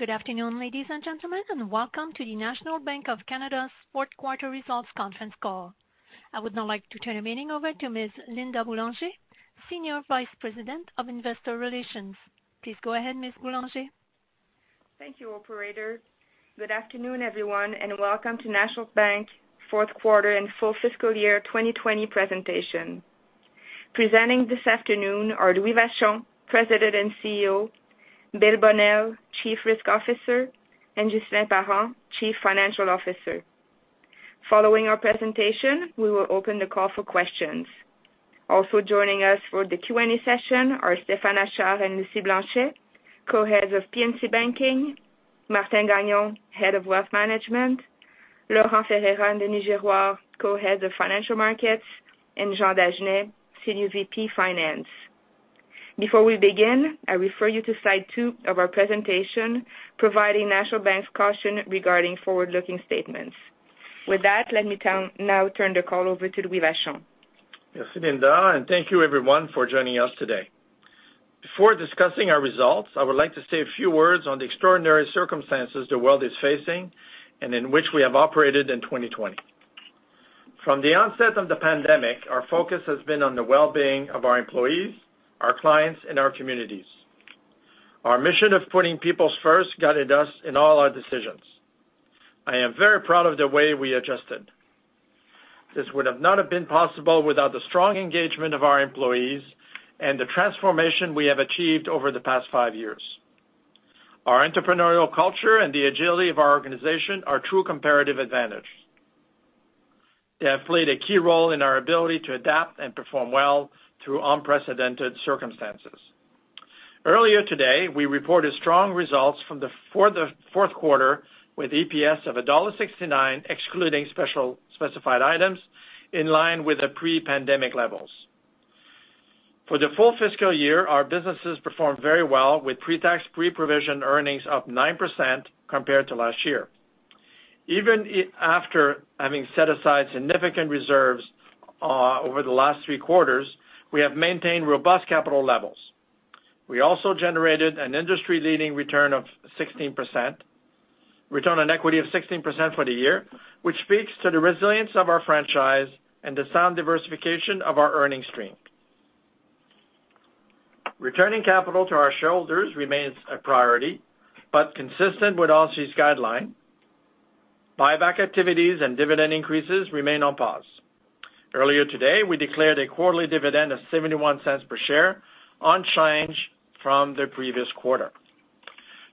Good afternoon, ladies and gentlemen, and welcome to the National Bank of Canada's fourth quarter results conference call. I would now like to turn the meeting over to Ms. Linda Boulanger, Senior Vice President of Investor Relations. Please go ahead, Ms. Boulanger. Thank you, Operator. Good afternoon, everyone, and welcome to National Bank fourth quarter and full fiscal year 2020 presentation. Presenting this afternoon are Louis Vachon, President and CEO, Bill Bonnell, Chief Risk Officer, and Ghislain Parent, Chief Financial Officer. Following our presentation, we will open the call for questions. Also joining us for the Q&A session are Stéphane Achard and Lucie Blanchet, Co-Heads of P&C Banking, Martin Gagnon, Head of Wealth Management, Laurent Ferreira and Denis Girouard, Co-Heads of Financial Markets, and Jean Dagenais, Senior VP Finance. Before we begin, I refer you to slide two of our presentation providing National Bank's caution regarding forward-looking statements. With that, let me now turn the call over to Louis Vachon. Merci, Linda, and thank you, everyone, for joining us today. Before discussing our results, I would like to say a few words on the extraordinary circumstances the world is facing and in which we have operated in 2020. From the onset of the pandemic, our focus has been on the well-being of our employees, our clients, and our communities. Our mission of putting people first guided us in all our decisions. I am very proud of the way we adjusted. This would not have been possible without the strong engagement of our employees and the transformation we have achieved over the past five years. Our entrepreneurial culture and the agility of our organization are true comparative advantage. They have played a key role in our ability to adapt and perform well through unprecedented circumstances. Earlier today, we reported strong results from the fourth quarter with EPS of dollar 1.69, excluding specified items, in line with the pre-pandemic levels. For the full fiscal year, our businesses performed very well with pre-tax pre-provision earnings up 9% compared to last year. Even after having set aside significant reserves over the last three quarters, we have maintained robust capital levels. We also generated an industry-leading return of 16%, return on equity of 16% for the year, which speaks to the resilience of our franchise and the sound diversification of our earnings stream. Returning capital to our shareholders remains a priority but consistent with all these guidelines. Buyback activities and dividend increases remain on pause. Earlier today, we declared a quarterly dividend of 0.71 per share, no change from the previous quarter.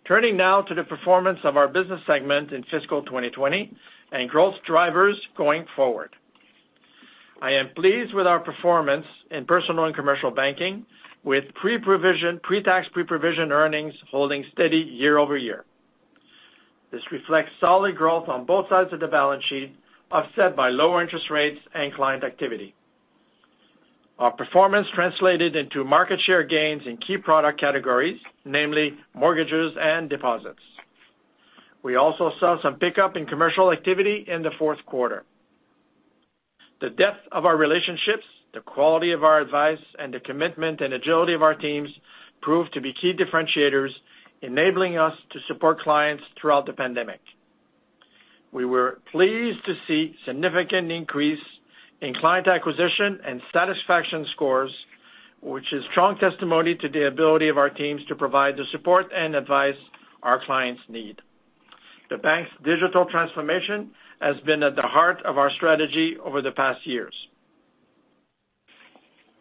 Turning now to the performance of our business segments in fiscal 2020 and growth drivers going forward. I am pleased with our performance in Personal and Commercial Banking with pre-tax pre-provision earnings holding steady year-over-year. This reflects solid growth on both sides of the balance sheet offset by lower interest rates and client activity. Our performance translated into market share gains in key product categories, namely mortgages and deposits. We also saw some pickup in commercial activity in the fourth quarter. The depth of our relationships, the quality of our advice, and the commitment and agility of our teams proved to be key differentiators, enabling us to support clients throughout the pandemic. We were pleased to see a significant increase in client acquisition and satisfaction scores, which is strong testimony to the ability of our teams to provide the support and advice our clients need. The bank's digital transformation has been at the heart of our strategy over the past years.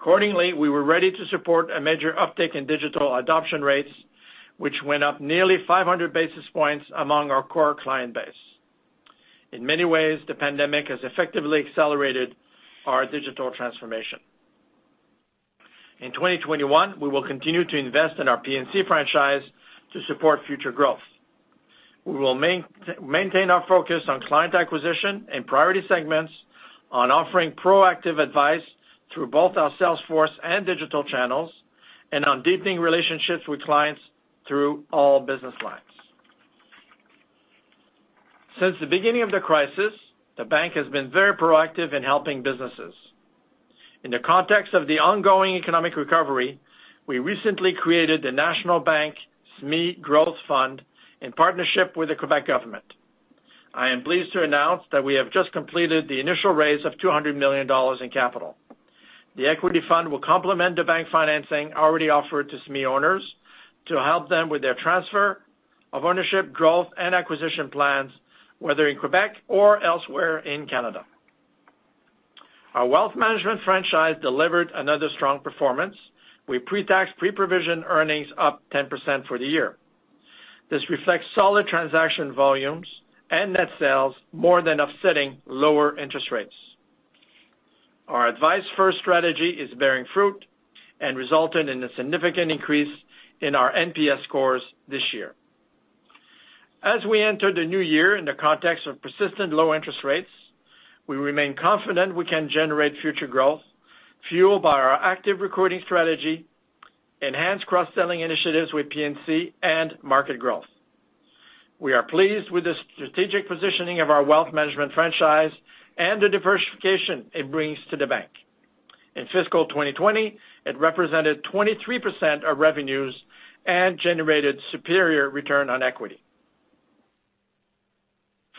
Accordingly, we were ready to support a major uptick in digital adoption rates, which went up nearly 500 basis points among our core client base. In many ways, the pandemic has effectively accelerated our digital transformation. In 2021, we will continue to invest in our P&C franchise to support future growth. We will maintain our focus on client acquisition and priority segments, on offering proactive advice through both our sales force and digital channels, and on deepening relationships with clients through all business lines. Since the beginning of the crisis, the bank has been very proactive in helping businesses. In the context of the ongoing economic recovery, we recently created the National Bank SME Growth Fund in partnership with the Quebec government. I am pleased to announce that we have just completed the initial raise of 200 million dollars in capital. The equity fund will complement the bank financing already offered to SME owners to help them with their transfer of ownership, growth, and acquisition plans, whether in Quebec or elsewhere in Canada. Our Wealth Management franchise delivered another strong performance. Our pre-tax pre-provision earnings up 10% for the year. This reflects solid transaction volumes and net sales more than offsetting lower interest rates. Our advice-first strategy is bearing fruit and resulted in a significant increase in our NPS scores this year. As we enter the new year in the context of persistent low interest rates, we remain confident we can generate future growth fueled by our active recruiting strategy, enhanced cross-selling initiatives with P&C, and market growth. We are pleased with the strategic positioning of our Wealth Management franchise and the diversification it brings to the bank. In fiscal 2020, it represented 23% of revenues and generated superior return on equity.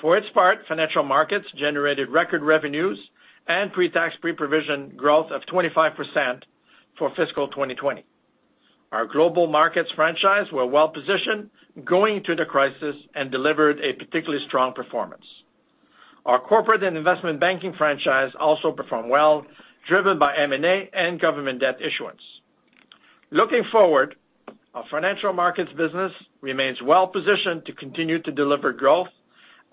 For its part, Financial Markets generated record revenues and pre-tax pre-provision growth of 25% for fiscal 2020. Our Global Markets franchise were well positioned going through the crisis and delivered a particularly strong performance. Our Corporate and Investment Banking franchise also performed well, driven by M&A and government debt issuance. Looking forward, our Financial Markets business remains well positioned to continue to deliver growth,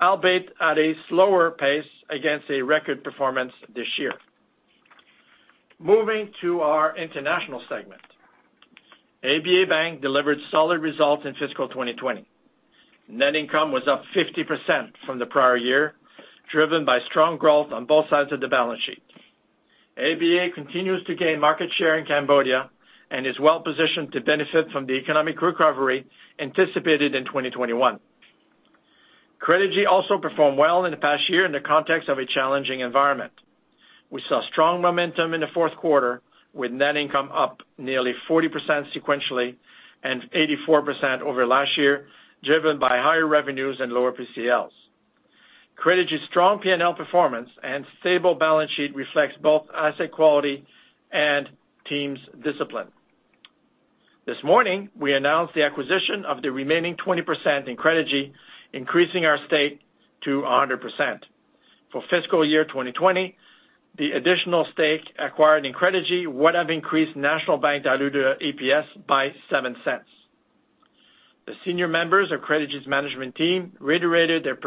albeit at a slower pace against a record performance this year. Moving to our International segment, ABA Bank delivered solid results in fiscal 2020. Net income was up 50% from the prior year, driven by strong growth on both sides of the balance sheet. ABA continues to gain market share in Cambodia and is well positioned to benefit from the economic recovery anticipated in 2021. Credigy also performed well in the past year in the context of a challenging environment. We saw strong momentum in the fourth quarter with net income up nearly 40% sequentially and 84% over last year, driven by higher revenues and lower PCLs. Credigy's strong P&L performance and stable balance sheet reflect both asset quality and team's discipline. This morning, we announced the acquisition of the remaining 20% in Credigy, increasing our stake to 100%. For fiscal year 2020, the additional stake acquired in Credigy would have increased National Bank diluted EPS by 0.07. The senior members of Credigy's management team reiterated their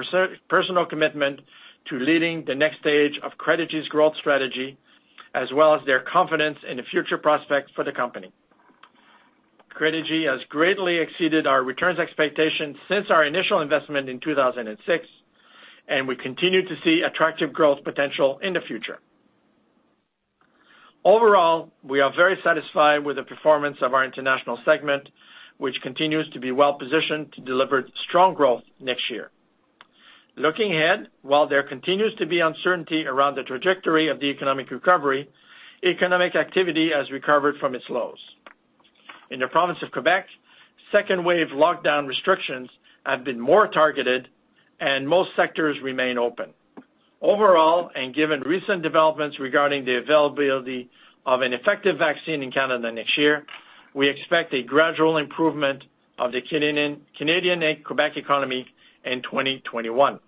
personal commitment to leading the next stage of Credigy's growth strategy, as well as their confidence in the future prospects for the company. Credigy has greatly exceeded our returns expectations since our initial investment in 2006, and we continue to see attractive growth potential in the future. Overall, we are very satisfied with the performance of our International segment, which continues to be well positioned to deliver strong growth next year. Looking ahead, while there continues to be uncertainty around the trajectory of the economic recovery, economic activity has recovered from its lows. In the province of Quebec, second wave lockdown restrictions have been more targeted, and most sectors remain open. Overall, and given recent developments regarding the availability of an effective vaccine in Canada next year, we expect a gradual improvement of the Canadian and Quebec economy in 2021.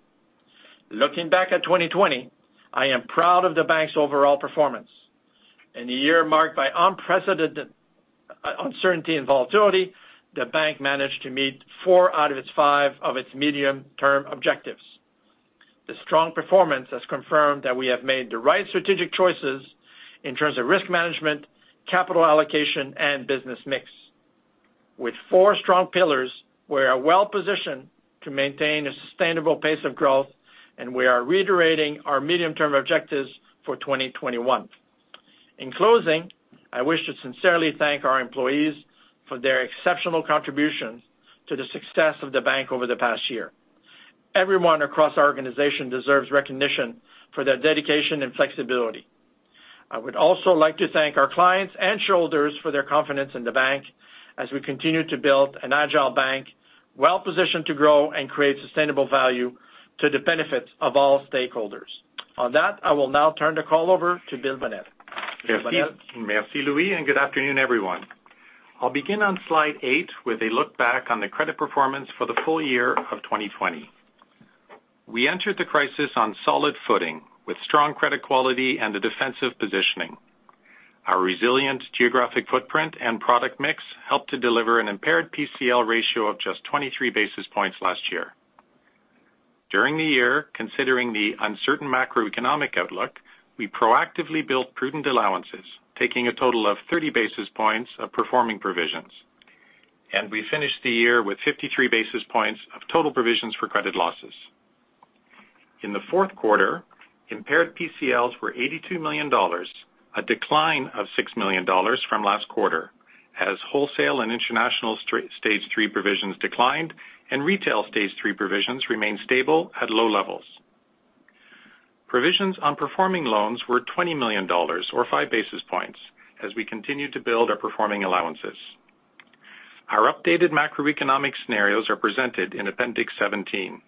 Looking back at 2020, I am proud of the bank's overall performance. In a year marked by unprecedented uncertainty and volatility, the bank managed to meet four out of its five medium-term objectives. The strong performance has confirmed that we have made the right strategic choices in terms of risk management, capital allocation, and business mix. With four strong pillars, we are well positioned to maintain a sustainable pace of growth, and we are reiterating our medium-term objectives for 2021. In closing, I wish to sincerely thank our employees for their exceptional contribution to the success of the bank over the past year. Everyone across our organization deserves recognition for their dedication and flexibility. I would also like to thank our clients and shareholders for their confidence in the bank as we continue to build an agile bank well positioned to grow and create sustainable value to the benefit of all stakeholders. On that, I will now turn the call over to Bill Bonnell. Merci, Louis, and good afternoon, everyone. I'll begin on slide eight with a look back on the credit performance for the full year of 2020. We entered the crisis on solid footing with strong credit quality and a defensive positioning. Our resilient geographic footprint and product mix helped to deliver an impaired PCL ratio of just 23 basis points last year. During the year, considering the uncertain macroeconomic outlook, we proactively built prudent allowances, taking a total of 30 basis points of performing provisions, and we finished the year with 53 basis points of total provisions for credit losses. In the fourth quarter, impaired PCLs were 82 million dollars, a decline of 6 million dollars from last quarter, as wholesale and international Stage 3 provisions declined and retail Stage 3 provisions remained stable at low levels. Provisions on performing loans were 20 million dollars, or five basis points, as we continued to build our performing allowances. Our updated macroeconomic scenarios are presented in Appendix 17.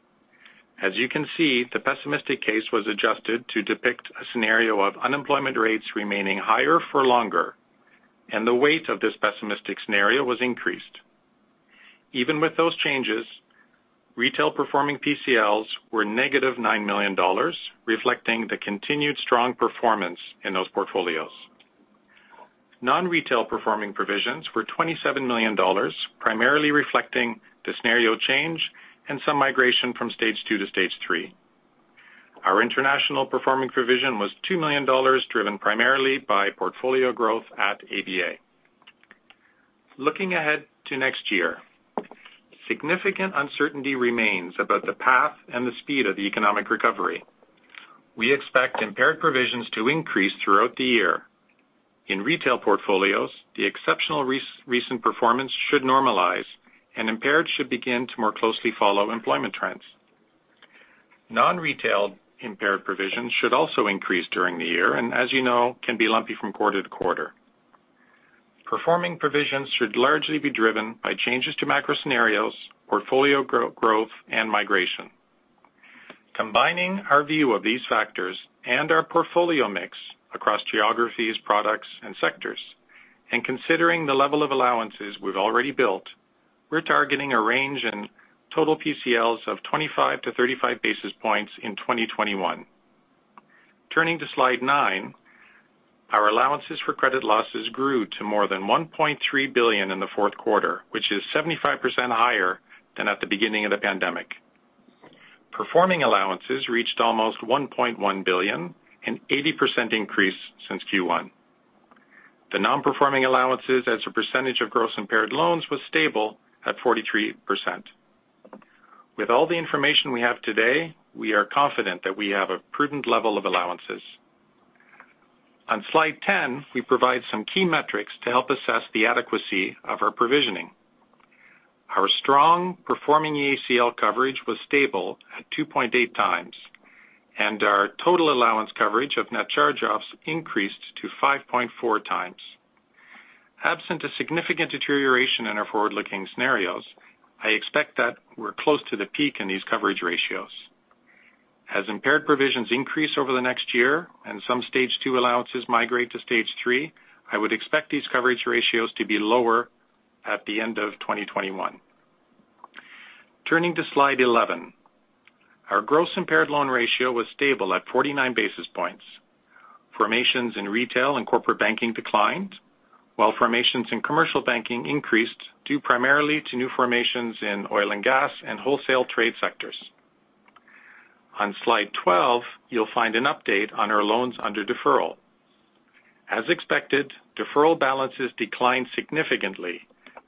As you can see, the pessimistic case was adjusted to depict a scenario of unemployment rates remaining higher for longer, and the weight of this pessimistic scenario was increased. Even with those changes, retail performing PCLs were negative 9 million dollars, reflecting the continued strong performance in those portfolios. Non-retail performing provisions were 27 million dollars, primarily reflecting the scenario change and some migration from Stage 2 to Stage 3. Our international performing provision was 2 million dollars, driven primarily by portfolio growth at ABA. Looking ahead to next year, significant uncertainty remains about the path and the speed of the economic recovery. We expect impaired provisions to increase throughout the year. In retail portfolios, the exceptional recent performance should normalize, and impaired should begin to more closely follow employment trends. Non-retail impaired provisions should also increase during the year and, as you know, can be lumpy from quarter-to-quarter. Performing provisions should largely be driven by changes to macro scenarios, portfolio growth, and migration. Combining our view of these factors and our portfolio mix across geographies, products, and sectors, and considering the level of allowances we've already built, we're targeting a range in total PCLs of 25-35 basis points in 2021. Turning to slide nine, our allowances for credit losses grew to more than 1.3 billion in the fourth quarter, which is 75% higher than at the beginning of the pandemic. Performing allowances reached almost 1.1 billion and 80% increase since Q1. The non-performing allowances as a percentage of gross impaired loans were stable at 43%. With all the information we have today, we are confident that we have a prudent level of allowances. On slide 10, we provide some key metrics to help assess the adequacy of our provisioning. Our strong performing ACL coverage was stable at 2.8 times, and our total allowance coverage of net charge-offs increased to 5.4 times. Absent a significant deterioration in our forward-looking scenarios, I expect that we're close to the peak in these coverage ratios. As impaired provisions increase over the next year and some stage 2 allowances migrate to Stage 3, I would expect these coverage ratios to be lower at the end of 2021. Turning to slide 11, our gross impaired loan ratio was stable at 49 basis points. Formations in retail and corporate banking declined, while formations in commercial banking increased due primarily to new formations in oil and gas and wholesale trade sectors. On slide 12, you'll find an update on our loans under deferral. As expected, deferral balances declined significantly,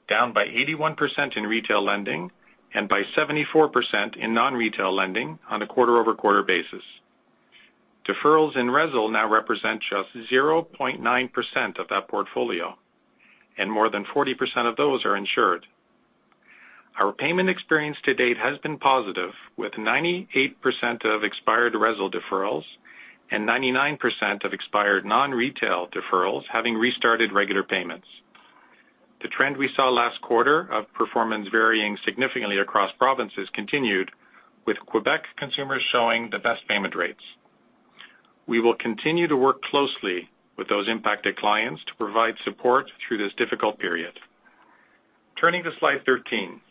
down by 81% in retail lending and by 74% in non-retail lending on a quarter-over-quarter basis. Deferrals in RESL now represent just 0.9% of that portfolio, and more than 40% of those are insured. Our payment experience to date has been positive, with 98% of expired RESL deferrals and 99% of expired non-retail deferrals having restarted regular payments. The trend we saw last quarter of performance varying significantly across provinces continued, with Quebec consumers showing the best payment rates. We will continue to work closely with those impacted clients to provide support through this difficult period. Turning to slide 13,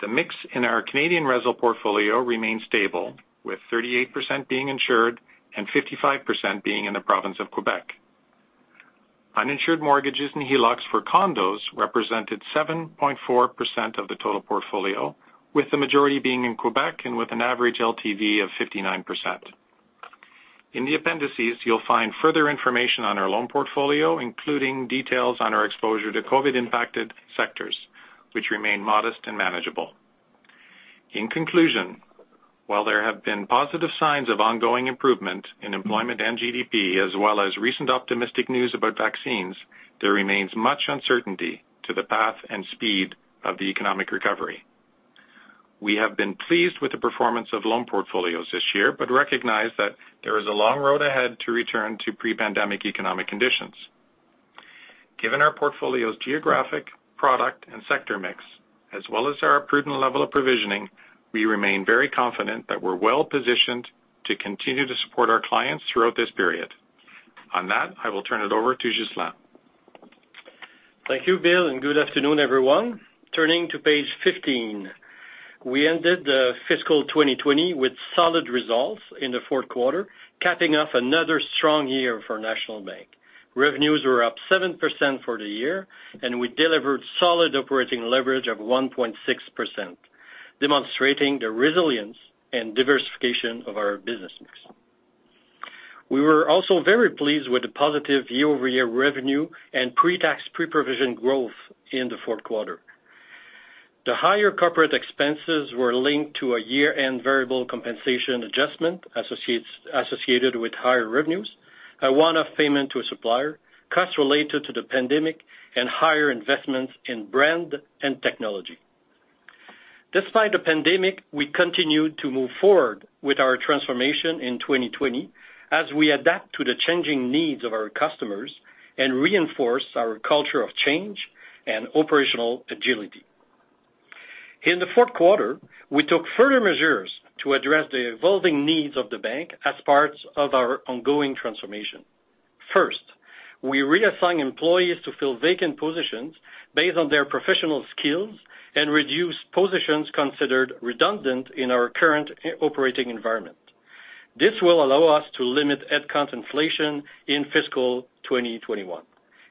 the mix in our Canadian RESL portfolio remained stable, with 38% being insured and 55% being in the province of Quebec. Uninsured mortgages and HELOCs for condos represented 7.4% of the total portfolio, with the majority being in Quebec and with an average LTV of 59%. In the appendices, you'll find further information on our loan portfolio, including details on our exposure to COVID-impacted sectors, which remain modest and manageable. In conclusion, while there have been positive signs of ongoing improvement in employment and GDP, as well as recent optimistic news about vaccines, there remains much uncertainty to the path and speed of the economic recovery. We have been pleased with the performance of loan portfolios this year, but recognize that there is a long road ahead to return to pre-pandemic economic conditions. Given our portfolio's geographic, product, and sector mix, as well as our prudent level of provisioning, we remain very confident that we're well positioned to continue to support our clients throughout this period. On that, I will turn it over to Ghislain. Thank you, Bill, and good afternoon, everyone. Turning to page 15, we ended the fiscal 2020 with solid results in the fourth quarter, capping off another strong year for National Bank. Revenues were up 7% for the year, and we delivered solid operating leverage of 1.6%, demonstrating the resilience and diversification of our business mix. We were also very pleased with the positive year-over-year revenue and pre-tax pre-provision growth in the fourth quarter. The higher corporate expenses were linked to a year-end variable compensation adjustment associated with higher revenues, a one-off payment to a supplier, costs related to the pandemic, and higher investments in brand and technology. Despite the pandemic, we continued to move forward with our transformation in 2020 as we adapt to the changing needs of our customers and reinforce our culture of change and operational agility. In the fourth quarter, we took further measures to address the evolving needs of the bank as part of our ongoing transformation. First, we reassigned employees to fill vacant positions based on their professional skills and reduced positions considered redundant in our current operating environment. This will allow us to limit headcount inflation in fiscal 2021.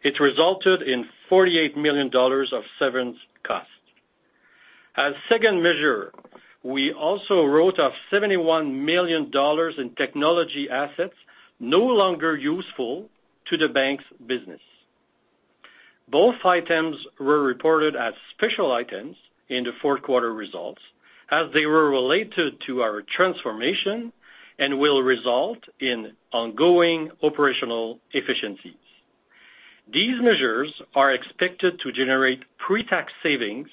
It resulted in 48 million dollars of severance costs. As a second measure, we also wrote off 71 million dollars in technology assets no longer useful to the bank's business. Both items were reported as special items in the fourth quarter results as they were related to our transformation and will result in ongoing operational efficiencies. These measures are expected to generate pre-tax savings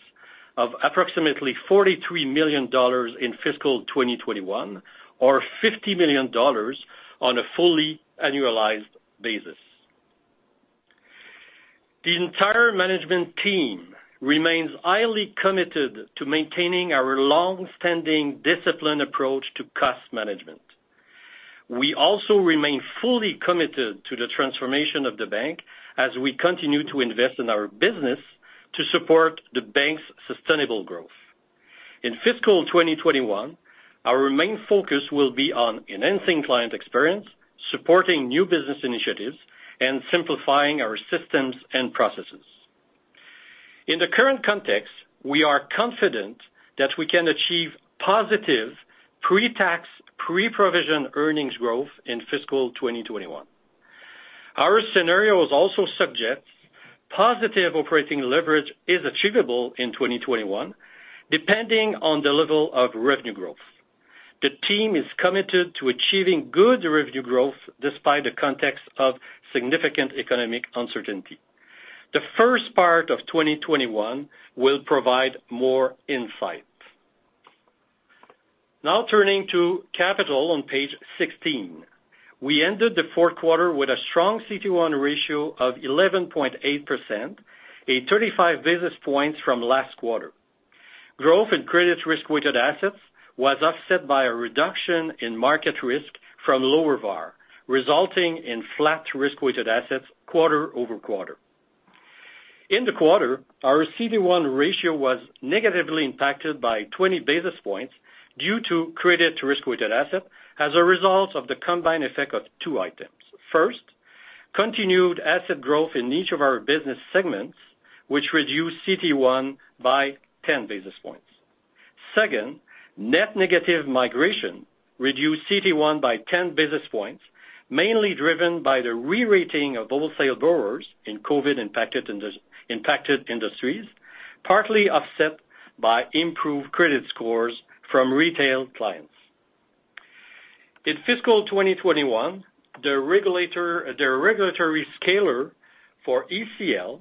of approximately 43 million dollars in fiscal 2021, or 50 million dollars on a fully annualized basis. The entire management team remains highly committed to maintaining our long-standing disciplined approach to cost management. We also remain fully committed to the transformation of the bank as we continue to invest in our business to support the bank's sustainable growth. In fiscal 2021, our main focus will be on enhancing client experience, supporting new business initiatives, and simplifying our systems and processes. In the current context, we are confident that we can achieve positive pre-tax pre-provision earnings growth in fiscal 2021. Our scenario is also subject. Positive operating leverage is achievable in 2021, depending on the level of revenue growth. The team is committed to achieving good revenue growth despite the context of significant economic uncertainty. The first part of 2021 will provide more insight. Now turning to capital on page 16, we ended the fourth quarter with a strong CET1 ratio of 11.8%, a 35 basis points from last quarter. Growth in credit risk-weighted assets was offset by a reduction in market risk from lower VaR, resulting in flat risk-weighted assets quarter-over-quarter. In the quarter, our CET1 ratio was negatively impacted by 20 basis points due to credit risk-weighted assets as a result of the combined effect of two items. First, continued asset growth in each of our business segments, which reduced CET1 by 10 basis points. Second, net negative migration reduced CET1 by 10 basis points, mainly driven by the re-rating of wholesale borrowers in COVID-impacted industries, partly offset by improved credit scores from retail clients. In fiscal 2021, the regulatory scalar for ECL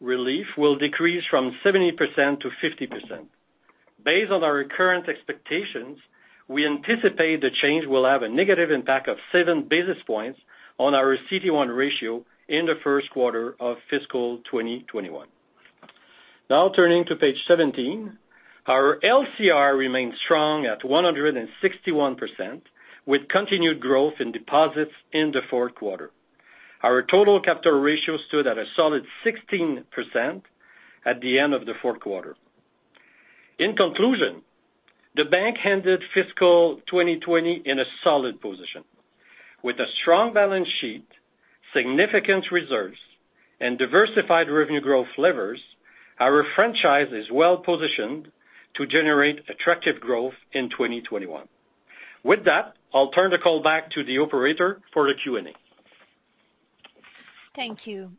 relief will decrease from 70%-50%. Based on our current expectations, we anticipate the change will have a negative impact of 7 basis points on our CET1 ratio in the first quarter of fiscal 2021. Now turning to page 17, our LCR remains strong at 161%, with continued growth in deposits in the fourth quarter. Our total capital ratio stood at a solid 16% at the end of the fourth quarter. In conclusion, the bank handled fiscal 2020 in a solid position. With a strong balance sheet, significant reserves, and diversified revenue growth levers, our franchise is well positioned to generate attractive growth in 2021. With that, I'll turn the call back to the operator for the Q&A. Thank you.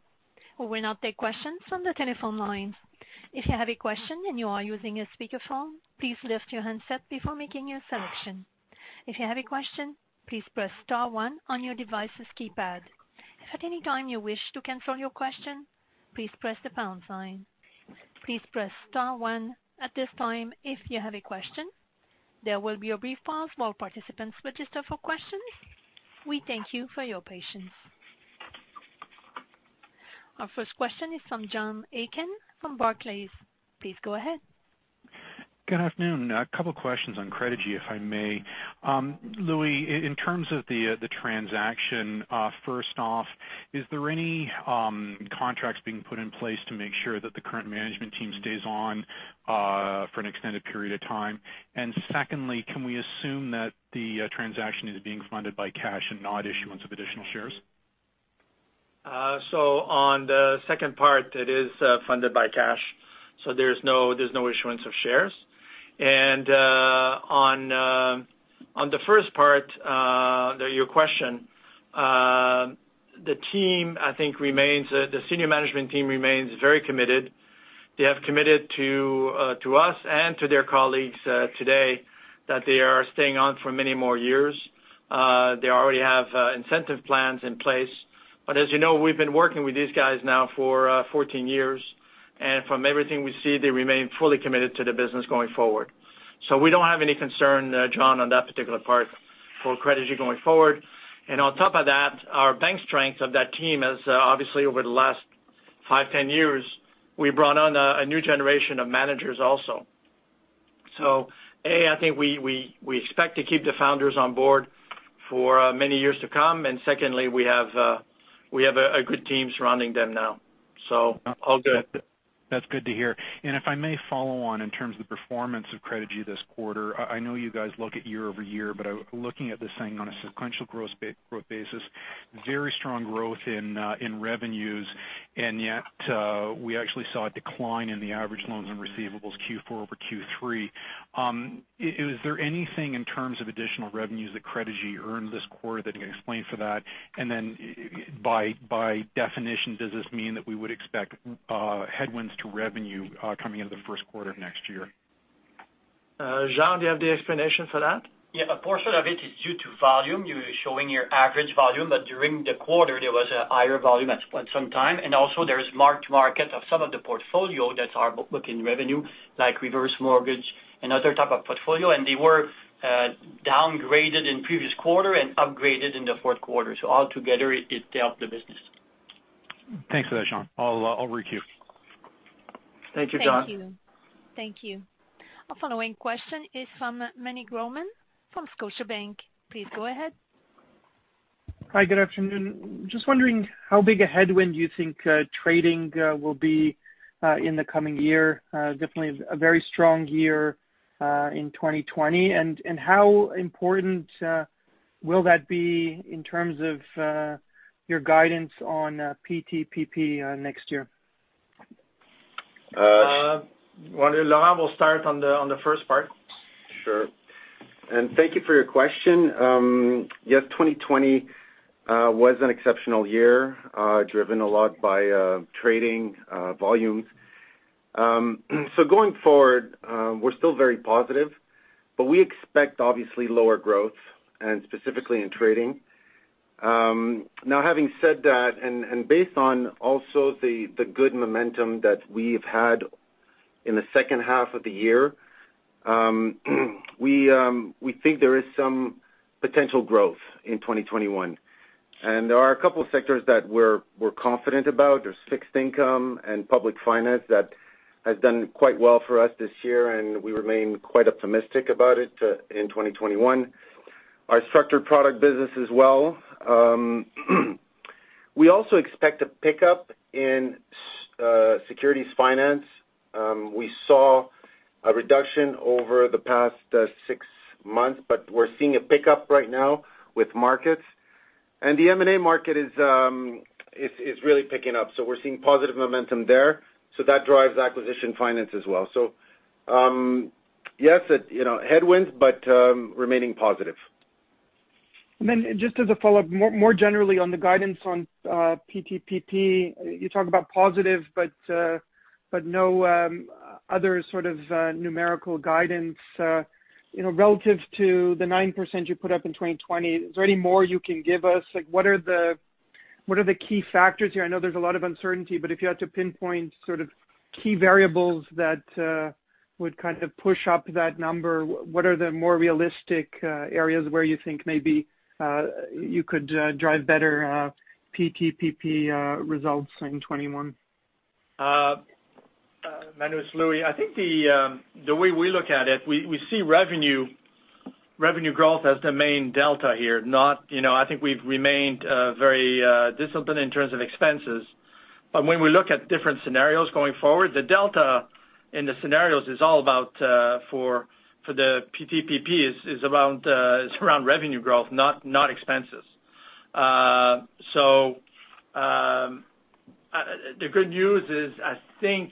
We'll now take questions from the telephone line. If you have a question and you are using a speakerphone, please lift your handset before making your selection. If you have a question, please press star one on your device's keypad. If at any time you wish to cancel your question, please press the pound sign. Please press star one at this time if you have a question. There will be a brief pause while participants register for questions. We thank you for your patience. Our first question is from John Aiken from Barclays. Please go ahead. Good afternoon. A couple of questions on Credigy, if I may. Louis, in terms of the transaction, first off, is there any contracts being put in place to make sure that the current management team stays on for an extended period of time? And secondly, can we assume that the transaction is being funded by cash and not issuance of additional shares? So on the second part, it is funded by cash. So there's no issuance of shares. And on the first part, your question, the team, I think, remains the senior management team remains very committed. They have committed to us and to their colleagues today that they are staying on for many more years. They already have incentive plans in place. But as you know, we've been working with these guys now for 14 years. And from everything we see, they remain fully committed to the business going forward. So we don't have any concern, John, on that particular part for Credigy going forward. And on top of that, our bench strength of that team has obviously, over the last 5, 10 years, we brought on a new generation of managers also. So A, I think we expect to keep the founders on board for many years to come. And secondly, we have a good team surrounding them now. So all good. That's good to hear. And if I may follow on in terms of the performance of Credigy this quarter, I know you guys look at year-over-year, but looking at this thing on a sequential growth basis, very strong growth in revenues, and yet we actually saw a decline in the average loans and receivables Q4 over Q3. Is there anything in terms of additional revenues that Credigy earned this quarter that you can explain for that? And then by definition, does this mean that we would expect headwinds to revenue coming into the first quarter of next year? Jean, do you have the explanation for that? Yes, a portion of it is due to volume You're showing your average volume, but during the quarter, there was a higher volume at some time. And also there's mark-to-market of some of the portfolio that are booking revenue, like reverse mortgage and other type of portfolio, and they were downgraded in previous quarter and upgraded in the fourth quarter. So altogether, it helped the business. Thanks for that, Jean. I'll requeue. Thank you, John. Thank you. Thank you. Our following question is from Meny Grauman from Scotiabank. Please go ahead. Hi, good afternoon. Just wondering how big a headwind you think trading will be in the coming year. Definitely a very strong year in 2020. And how important will that be in terms of your guidance on PTPP next year? Laurent will start on the first part. Sure. And thank you for your question. Yes, 2020 was an exceptional year, driven a lot by trading volumes. So, going forward, we're still very positive, but we expect obviously lower growth, and specifically in trading. Now having said that, and based on also the good momentum that we've had in the second half of the year, we think there is some potential growth in 2021. And there are a couple of sectors that we're confident about. There's fixed income and public finance that has done quite well for us this year, and we remain quite optimistic about it in 2021. Our structured product business as well. We also expect a pickup in securities finance. We saw a reduction over the past six months, but we're seeing a pickup right now with markets. And the M&A market is really picking up. So we're seeing positive momentum there. So that drives acquisition finance as well. So yes, headwinds, but remaining positive. And then just as a follow-up, more generally on the guidance on PTPP, you talk about positive, but no other sort of numerical guidance. Relative to the 9% you put up in 2020, is there any more you can give us? What are the key factors here? I know there's a lot of uncertainty, but if you had to pinpoint sort of key variables that would kind of push up that number, what are the more realistic areas where you think maybe you could drive better PTPP results in 2021? My name is Louis. I think the way we look at it, we see revenue growth as the main delta here. I think we've remained very disciplined in terms of expenses. But when we look at different scenarios going forward, the delta in the scenarios is all about for the PTPP is around revenue growth, not expenses. So the good news is I think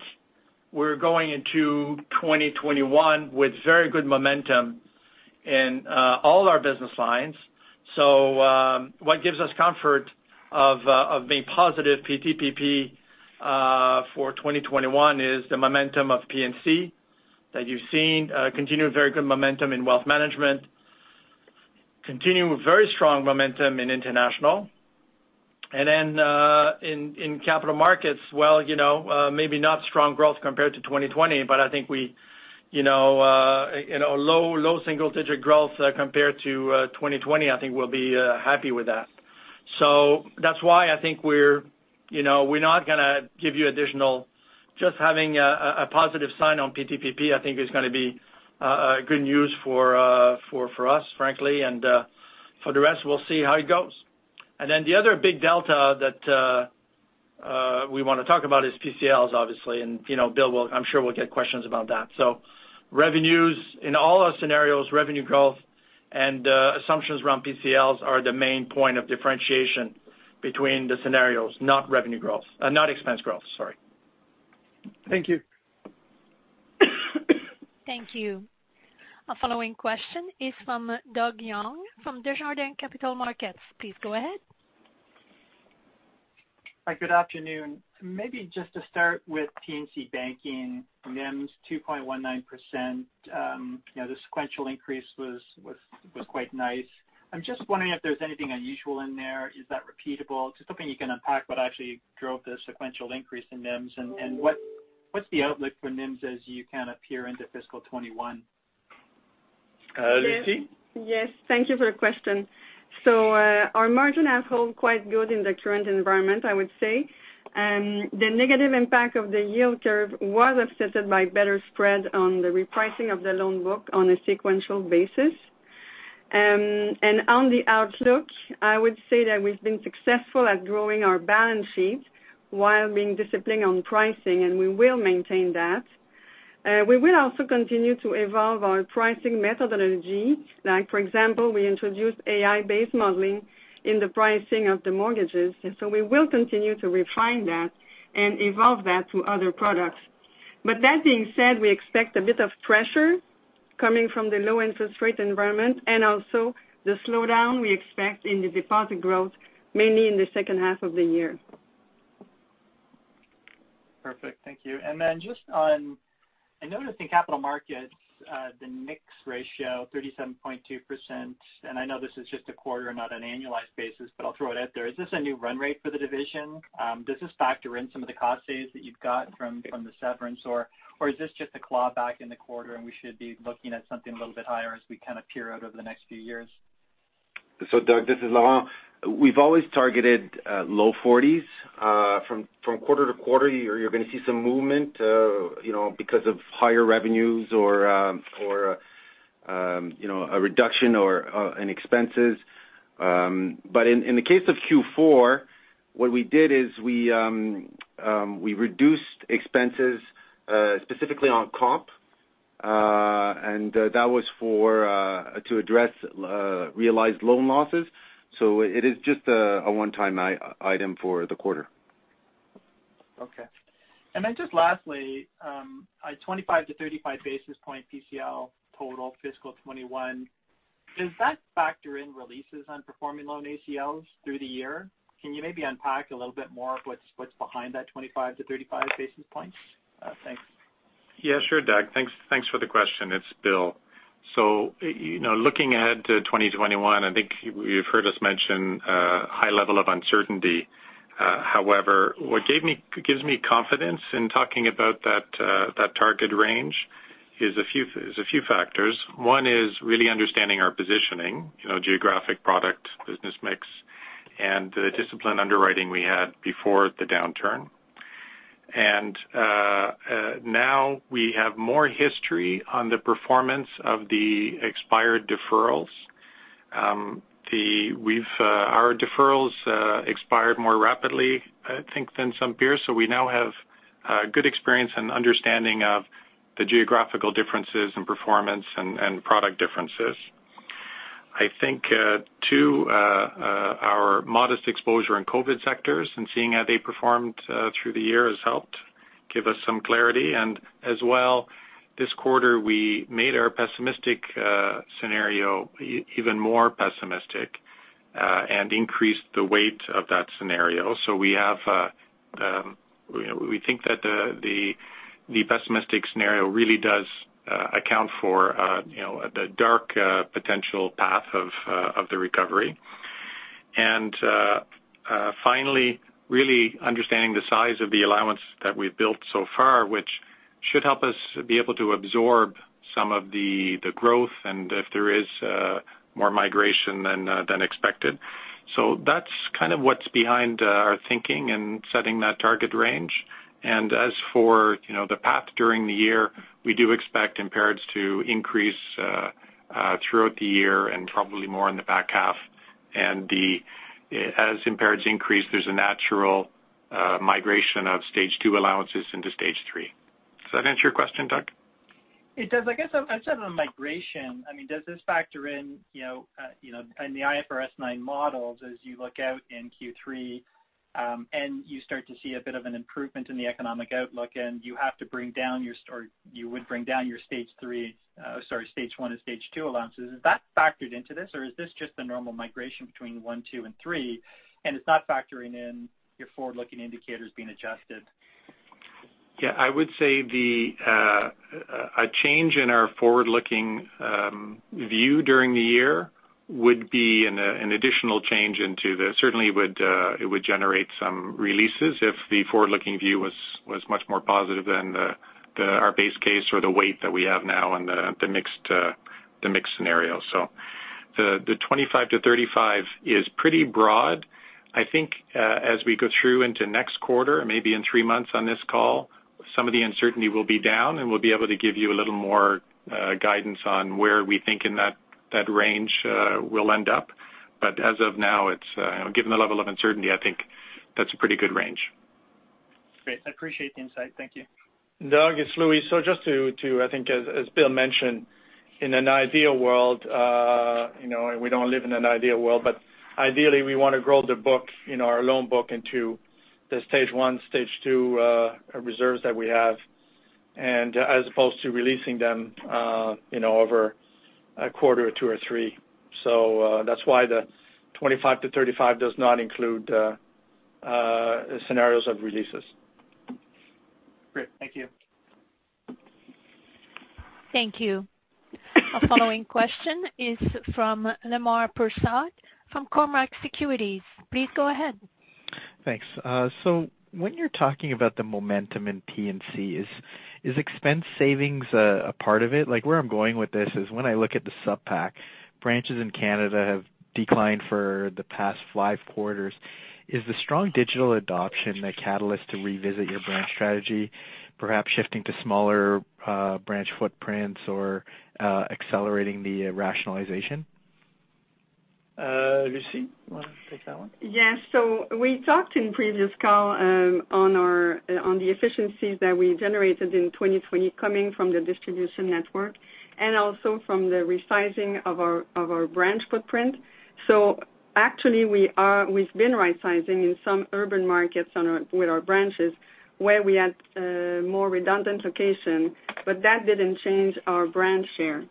we're going into 2021 with very good momentum in all our business lines. So what gives us comfort of being positive PTPP for 2021 is the momentum of P&C that you've seen, continued very good momentum in Wealth Management, continued very strong momentum in international. And then in Capital Markets, well, maybe not strong growth compared to 2020, but I think we low single-digit growth compared to 2020, I think we'll be happy with that. So that's why I think we're not going to give you additional just having a positive sign on PTPP, I think is going to be good news for us, frankly. And for the rest, we'll see how it goes. And then the other big delta that we want to talk about is PCLs, obviously. And Bill, I'm sure we'll get questions about that. So revenues in all our scenarios, revenue growth, and assumptions around PCLs are the main point of differentiation between the scenarios, not revenue growth not expense growth, sorry. Thank you. Thank you. Our following question is from Doug Young from Desjardins Capital Markets. Please go ahead. Hi, good afternoon. Maybe just to start with P&C Banking, NIMs 2.19%, the sequential increase was quite nice. I'm just wondering if there's anything unusual in there. Is that repeatable? Just hoping you can unpack what actually drove the sequential increase in NIMs and what's the outlook for NIMs as you kind of peer into fiscal 2021? Lucie. Yes. Thank you for the question. So our margin has held quite good in the current environment, I would say. The negative impact of the yield curve was offset by better spread on the repricing of the loan book on a sequential basis. On the outlook, I would say that we've been successful at growing our balance sheet while being disciplined on pricing, and we will maintain that. We will also continue to evolve our pricing methodology. For example, we introduced AI-based modeling in the pricing of the mortgages. So we will continue to refine that and evolve that to other products. But that being said, we expect a bit of pressure coming from the low interest rate environment and also the slowdown we expect in the deposit growth, mainly in the second half of the year. Perfect. Thank you. And then, just on, I noticed in Capital Markets, the mix ratio, 37.2%, and I know this is just a quarter and not an annualized basis, but I'll throw it out there. Is this a new run rate for the division? Does this factor in some of the cost savings that you've got from the severance, or is this just a claw back in the quarter and we should be looking at something a little bit higher as we kind of push out over the next few years? So, Doug, this is Laurent. We've always targeted low 40s. From quarter-to-quarter, you're going to see some movement because of higher revenues or a reduction in expenses. But in the case of Q4, what we did is we reduced expenses specifically on comp, and that was to address realized loan losses. So it is just a one-time item for the quarter. Okay. And then just lastly, a 25 to 35 basis points PCL total fiscal 2021, does that factor in releases on performing loan ACLs through the year? Can you maybe unpack a little bit more of what's behind that 25-35 basis points? Thanks. Yeah, sure, Doug. Thanks for the question. It's Bill. So looking ahead to 2021, I think you've heard us mention a high level of uncertainty. However, what gives me confidence in talking about that target range is a few factors. One is really understanding our positioning, geographic product, business mix, and the discipline underwriting we had before the downturn. And now we have more history on the performance of the expired deferrals. Our deferrals expired more rapidly, I think, than some peers. So we now have good experience and understanding of the geographical differences in performance and product differences. I think, too, our modest exposure in COVID sectors and seeing how they performed through the year has helped give us some clarity. As well, this quarter, we made our pessimistic scenario even more pessimistic and increased the weight of that scenario. We think that the pessimistic scenario really does account for the dark potential path of the recovery. Finally, really understanding the size of the allowance that we've built so far, which should help us be able to absorb some of the growth and if there is more migration than expected. That's kind of what's behind our thinking and setting that target range. As for the path during the year, we do expect impairments to increase throughout the year and probably more in the back half. As impairments increase, there's a natural migration of Stage 2 allowances into Stage 3. Does that answer your question, Doug? It does. I guess I said on migration, I mean, does this factor in in the IFRS 9 models as you look out in Q3 and you start to see a bit of an improvement in the economic outlook and you have to bring down your or you would bring down your Stage 3 sorry, Stage 1and Stage 2 allowances. Is that factored into this, or is this just the normal migration between one, two, and three, and it's not factoring in your forward-looking indicators being adjusted? Yeah. I would say a change in our forward-looking view during the year would be an additional change into the certainly would generate some releases if the forward-looking view was much more positive than our base case or the weight that we have now in the mixed scenario. So the 25-35 is pretty broad. I think as we go through into next quarter, maybe in three months on this call, some of the uncertainty will be down and we'll be able to give you a little more guidance on where we think in that range we'll end up. But as of now, given the level of uncertainty, I think that's a pretty good range. Great. I appreciate the insight. Thank you. Doug, it's Louis. So just to, I think, as Bill mentioned, in an ideal world, and we don't live in an ideal world, but ideally, we want to grow the book, our loan book into the Stage 1, Stage 2 reserves that we have, and as opposed to releasing them over a quarter or two or three. So that's why the 25-35 does not include scenarios of releases. Great. Thank you. Thank you. Our following question is from Lemar Persaud from Cormark Securities. Please go ahead. Thanks. So when you're talking about the momentum in P&C, is expense savings a part of it? Where I'm going with this is when I look at the Supp Pack, branches in Canada have declined for the past five quarters. Is the strong digital adoption a catalyst to revisit your branch strategy, perhaps shifting to smaller branch footprints or accelerating the rationalization? Lucie, you want to take that one? Yeah. So we talked in previous call on the efficiencies that we generated in 2020 coming from the distribution network and also from the resizing of our branch footprint. So actually, we've been right-sizing in some urban markets with our branches where we had more redundant location, but that didn't change our branch share.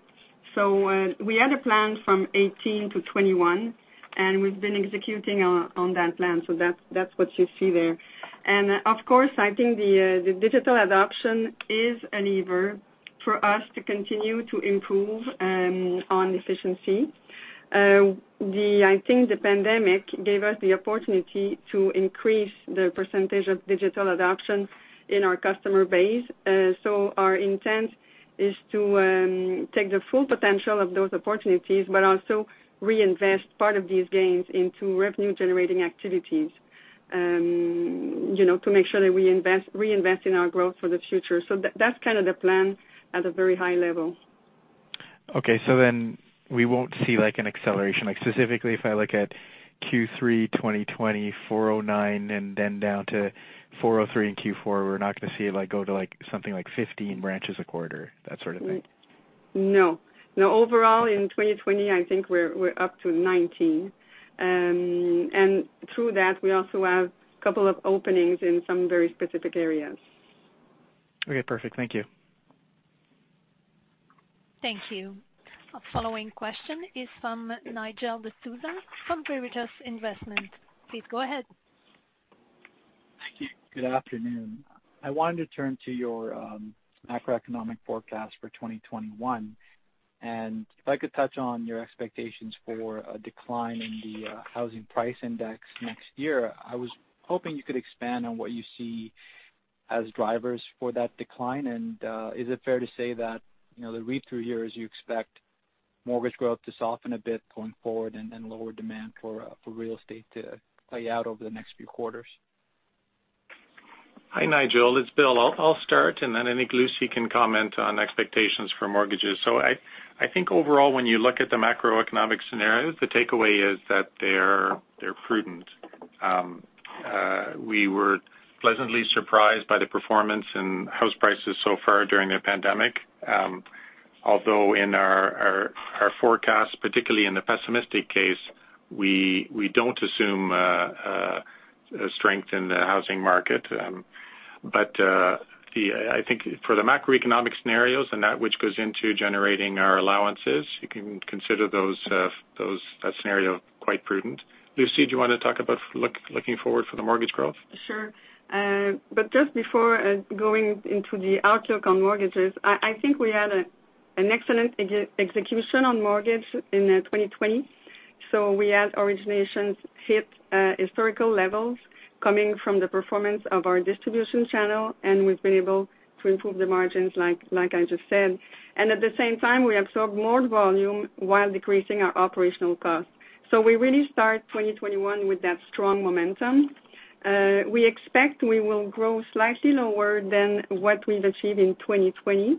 So we had a plan from 2018-2021, and we've been executing on that plan. So that's what you see there. And of course, I think the digital adoption is a lever for us to continue to improve on efficiency. I think the pandemic gave us the opportunity to increase the percentage of digital adoption in our customer base. So our intent is to take the full potential of those opportunities, but also reinvest part of these gains into revenue-generating activities to make sure that we reinvest in our growth for the future. So that's kind of the plan at a very high level. Okay. So then we won't see an acceleration. Specifically, if I look at Q3 2020, 409, and then down to 403 in Q4, we're not going to see it go to something like 15 branches a quarter, that sort of thing. No. No. Overall, in 2020, I think we're up to 19. And through that, we also have a couple of openings in some very specific areas. Okay. Perfect. Thank you. Thank you. Our following question is from Nigel D'Souza from Veritas Investment. Please go ahead. Thank you. Good afternoon. I wanted to turn to your macroeconomic forecast for 2021. And if I could touch on your expectations for a decline in the housing price index next year, I was hoping you could expand on what you see as drivers for that decline. And is it fair to say that the read-through year is you expect mortgage growth to soften a bit going forward and lower demand for real estate to play out over the next few quarters? Hi, Nigel. It's Bill. I'll start, and then I think Lucie can comment on expectations for mortgages. So I think overall, when you look at the macroeconomic scenarios, the takeaway is that they're prudent. We were pleasantly surprised by the performance in house prices so far during the pandemic. Although in our forecast, particularly in the pessimistic case, we don't assume a strength in the housing market. But I think for the macroeconomic scenarios and that which goes into generating our allowances, you can consider that scenario quite prudent. Lucie, do you want to talk about looking forward for the mortgage growth? Sure. But just before going into the outlook on mortgages, I think we had an excellent execution on mortgage in 2020. So we had originations hit historical levels coming from the performance of our distribution channel, and we've been able to improve the margins, like I just said. And at the same time, we absorbed more volume while decreasing our operational costs. So we really start 2021 with that strong momentum. We expect we will grow slightly lower than what we've achieved in 2020.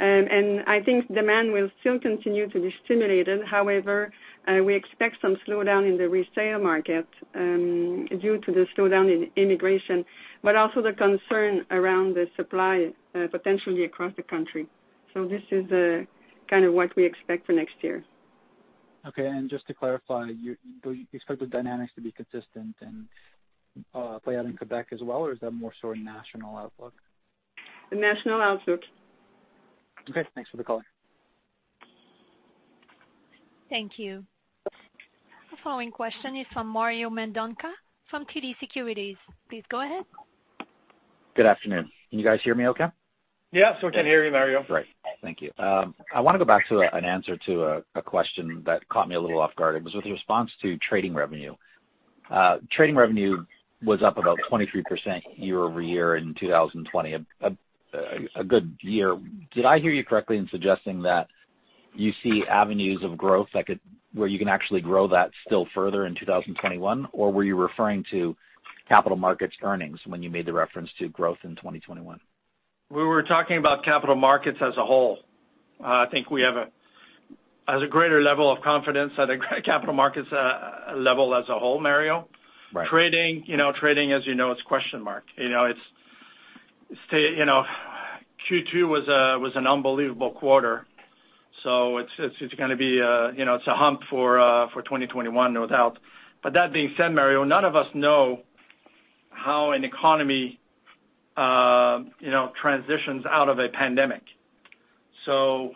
And I think demand will still continue to be stimulated. However, we expect some slowdown in the resale market due to the slowdown in immigration, but also the concern around the supply potentially across the country. So this is kind of what we expect for next year. Okay. And just to clarify, you expect the dynamics to be consistent and play out in Quebec as well, or is that more so a national outlook? The national outlook. Okay. Thanks for the color. Thank you. Our following question is from Mario Mendonca from TD Securities. Please go ahead. Good afternoon. Can you guys hear me okay? Yeah. So we can hear you, Mario. Great. Thank you. I want to go back to an answer to a question that caught me a little off guard. It was with your response to trading revenue. Trading revenue was up about 23% year-over-year in 2020, a good year. Did I hear you correctly in suggesting that you see avenues of growth where you can actually grow that still further in 2021, or were you referring to Capital Markets earnings when you made the reference to growth in 2021? We were talking about Capital Markets as a whole. I think we have a greater level of confidence at a Capital Markets level as a whole, Mario. Trading, as you know, is question mark. Q2 was an unbelievable quarter. So it's going to be a hump for 2021 without. But that being said, Mario, none of us know how an economy transitions out of a pandemic. So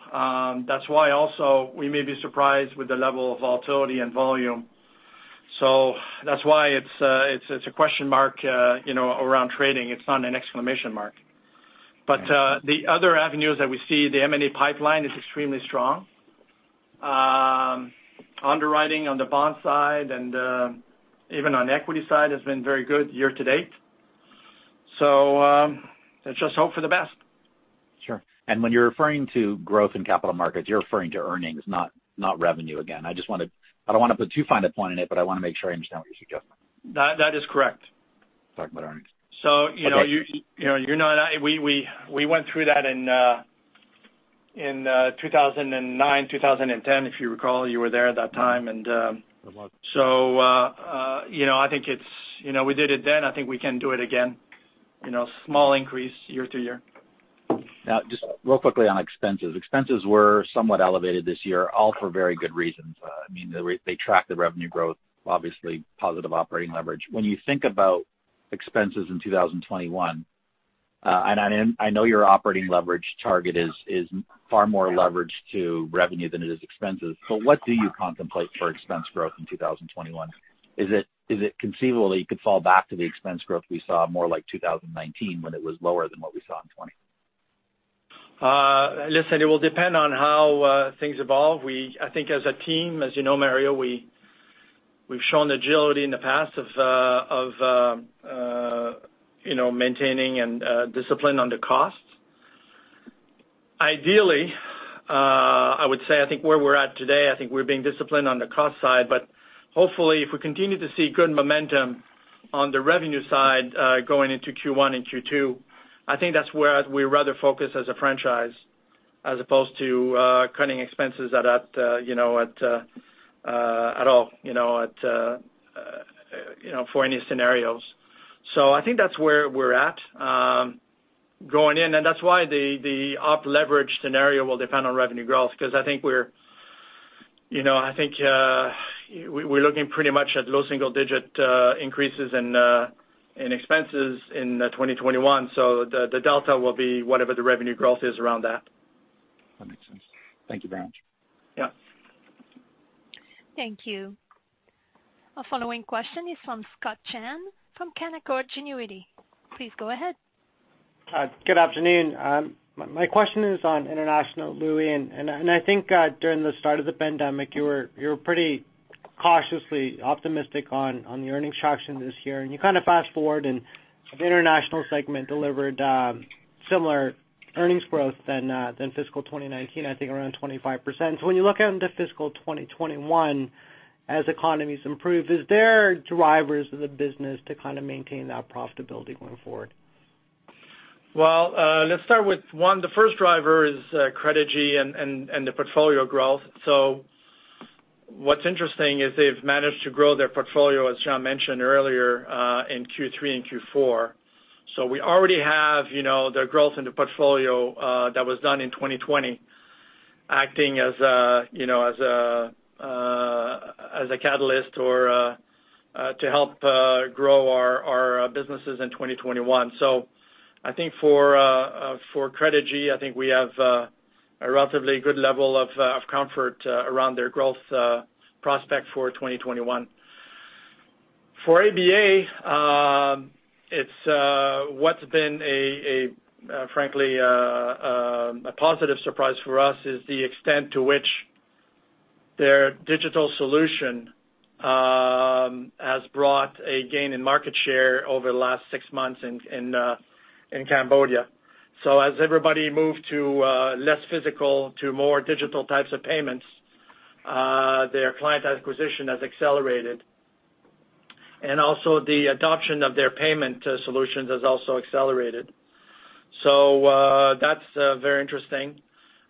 that's why also we may be surprised with the level of volatility and volume. So that's why it's a question mark around trading. It's not an exclamation mark. But the other avenues that we see, the M&A pipeline is extremely strong. Underwriting on the bond side and even on equity side has been very good year to date. So let's just hope for the best. Sure. And when you're referring to growth in Capital Markets, you're referring to earnings, not revenue again. I don't want to put too fine a point in it, but I want to make sure I understand what you're suggesting. That is correct. Talking about earnings. So you know we went through that in 2009, 2010, if you recall. You were there at that time. And so I think it's we did it then. I think we can do it again. Small increase year-to-year. Now, just real quickly on expenses. Expenses were somewhat elevated this year, all for very good reasons. I mean, they tracked the revenue growth, obviously positive operating leverage. When you think about expenses in 2021, and I know your operating leverage target is far more leveraged to revenue than it is expenses, but what do you contemplate for expense growth in 2021? Is it conceivable that you could fall back to the expense growth we saw more like 2019 when it was lower than what we saw in 2020? Listen, it will depend on how things evolve. I think as a team, as you know, Mario, we've shown agility in the past of maintaining and disciplining on the costs. Ideally, I would say I think where we're at today, I think we're being disciplined on the cost side. But hopefully, if we continue to see good momentum on the revenue side going into Q1 and Q2, I think that's where we rather focus as a franchise as opposed to cutting expenses at all for any scenarios. So I think that's where we're at going in. And that's why the op-leverage scenario will depend on revenue growth because I think we're looking pretty much at low single-digit increases in expenses in 2021. So the delta will be whatever the revenue growth is around that. That makes sense. Thank you very much. Yeah. Thank you. Our following question is from Scott Chan from Canaccord Genuity. Please go ahead. Good afternoon. My question is on international, Louis. And I think during the start of the pandemic, you were pretty cautiously optimistic on the earnings traction this year. And you kind of fast forward, and the International segment delivered similar earnings growth than fiscal 2019, I think around 25%. So when you look at the fiscal 2021 as economies improve, is there drivers of the business to kind of maintain that profitability going forward? Well, let's start with one. The first driver is Credigy and the portfolio growth. So what's interesting is they've managed to grow their portfolio, as Jean mentioned earlier, in Q3 and Q4. So we already have the growth in the portfolio that was done in 2020 acting as a catalyst or to help grow our businesses in 2021. So I think for Credigy, I think we have a relatively good level of comfort around their growth prospect for 2021. For ABA, what's been a, frankly, positive surprise for us is the extent to which their digital solution has brought a gain in market share over the last six months in Cambodia. So as everybody moved to less physical to more digital types of payments, their client acquisition has accelerated. And also, the adoption of their payment solutions has also accelerated. So that's very interesting.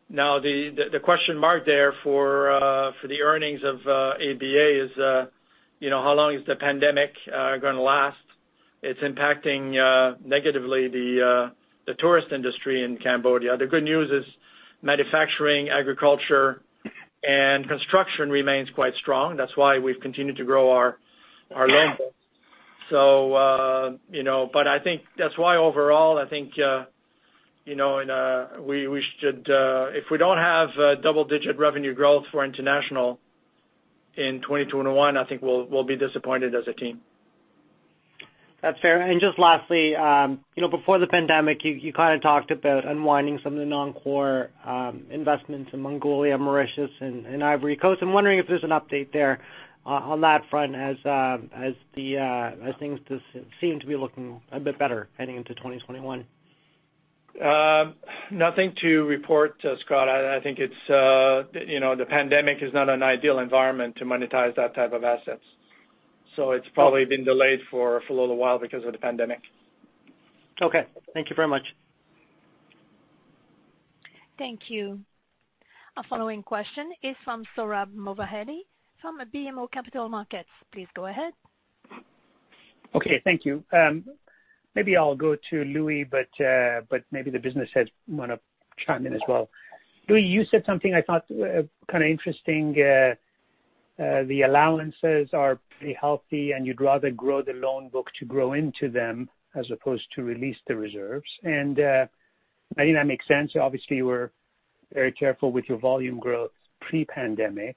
Now, the question mark there for the earnings of ABA is how long is the pandemic going to last? It's impacting negatively the tourist industry in Cambodia. The good news is manufacturing, agriculture, and construction remains quite strong. That's why we've continued to grow our loan growth. But I think that's why overall, I think we should, if we don't have double-digit revenue growth for international in 2021, I think we'll be disappointed as a team. That's fair. Just lastly, before the pandemic, you kind of talked about unwinding some of the non-core investments in Mongolia, Mauritius, and Ivory Coast. I'm wondering if there's an update there on that front as things seem to be looking a bit better heading into 2021. Nothing to report, Scott. I think the pandemic is not an ideal environment to monetize that type of assets. So it's probably been delayed for a little while because of the pandemic. Okay. Thank you very much. Thank you. Our following question is from Sohrab Movahedi from BMO Capital Markets. Please go ahead. Okay. Thank you. Maybe I'll go to Louis, but maybe the business heads want to chime in as well. Louis, you said something I thought kind of interesting. The allowances are pretty healthy, and you'd rather grow the loan book to grow into them as opposed to release the reserves. I think that makes sense. Obviously, you were very careful with your volume growth pre-pandemic.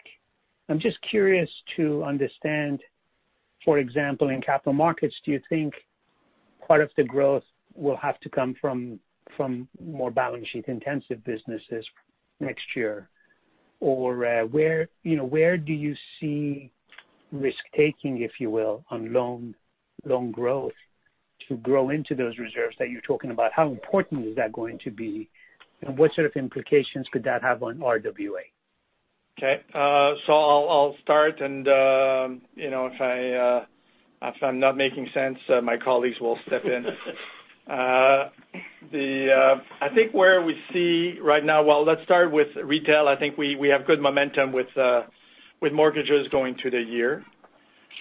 I'm just curious to understand, for example, in Capital Markets, do you think part of the growth will have to come from more balance sheet intensive businesses next year? Or where do you see risk-taking, if you will, on loan growth to grow into those reserves that you're talking about? How important is that going to be? And what sort of implications could that have on RWA? Okay. I'll start. If I'm not making sense, my colleagues will step in. I think where we see right now. Well, let's start with retail. I think we have good momentum with mortgages going through the year.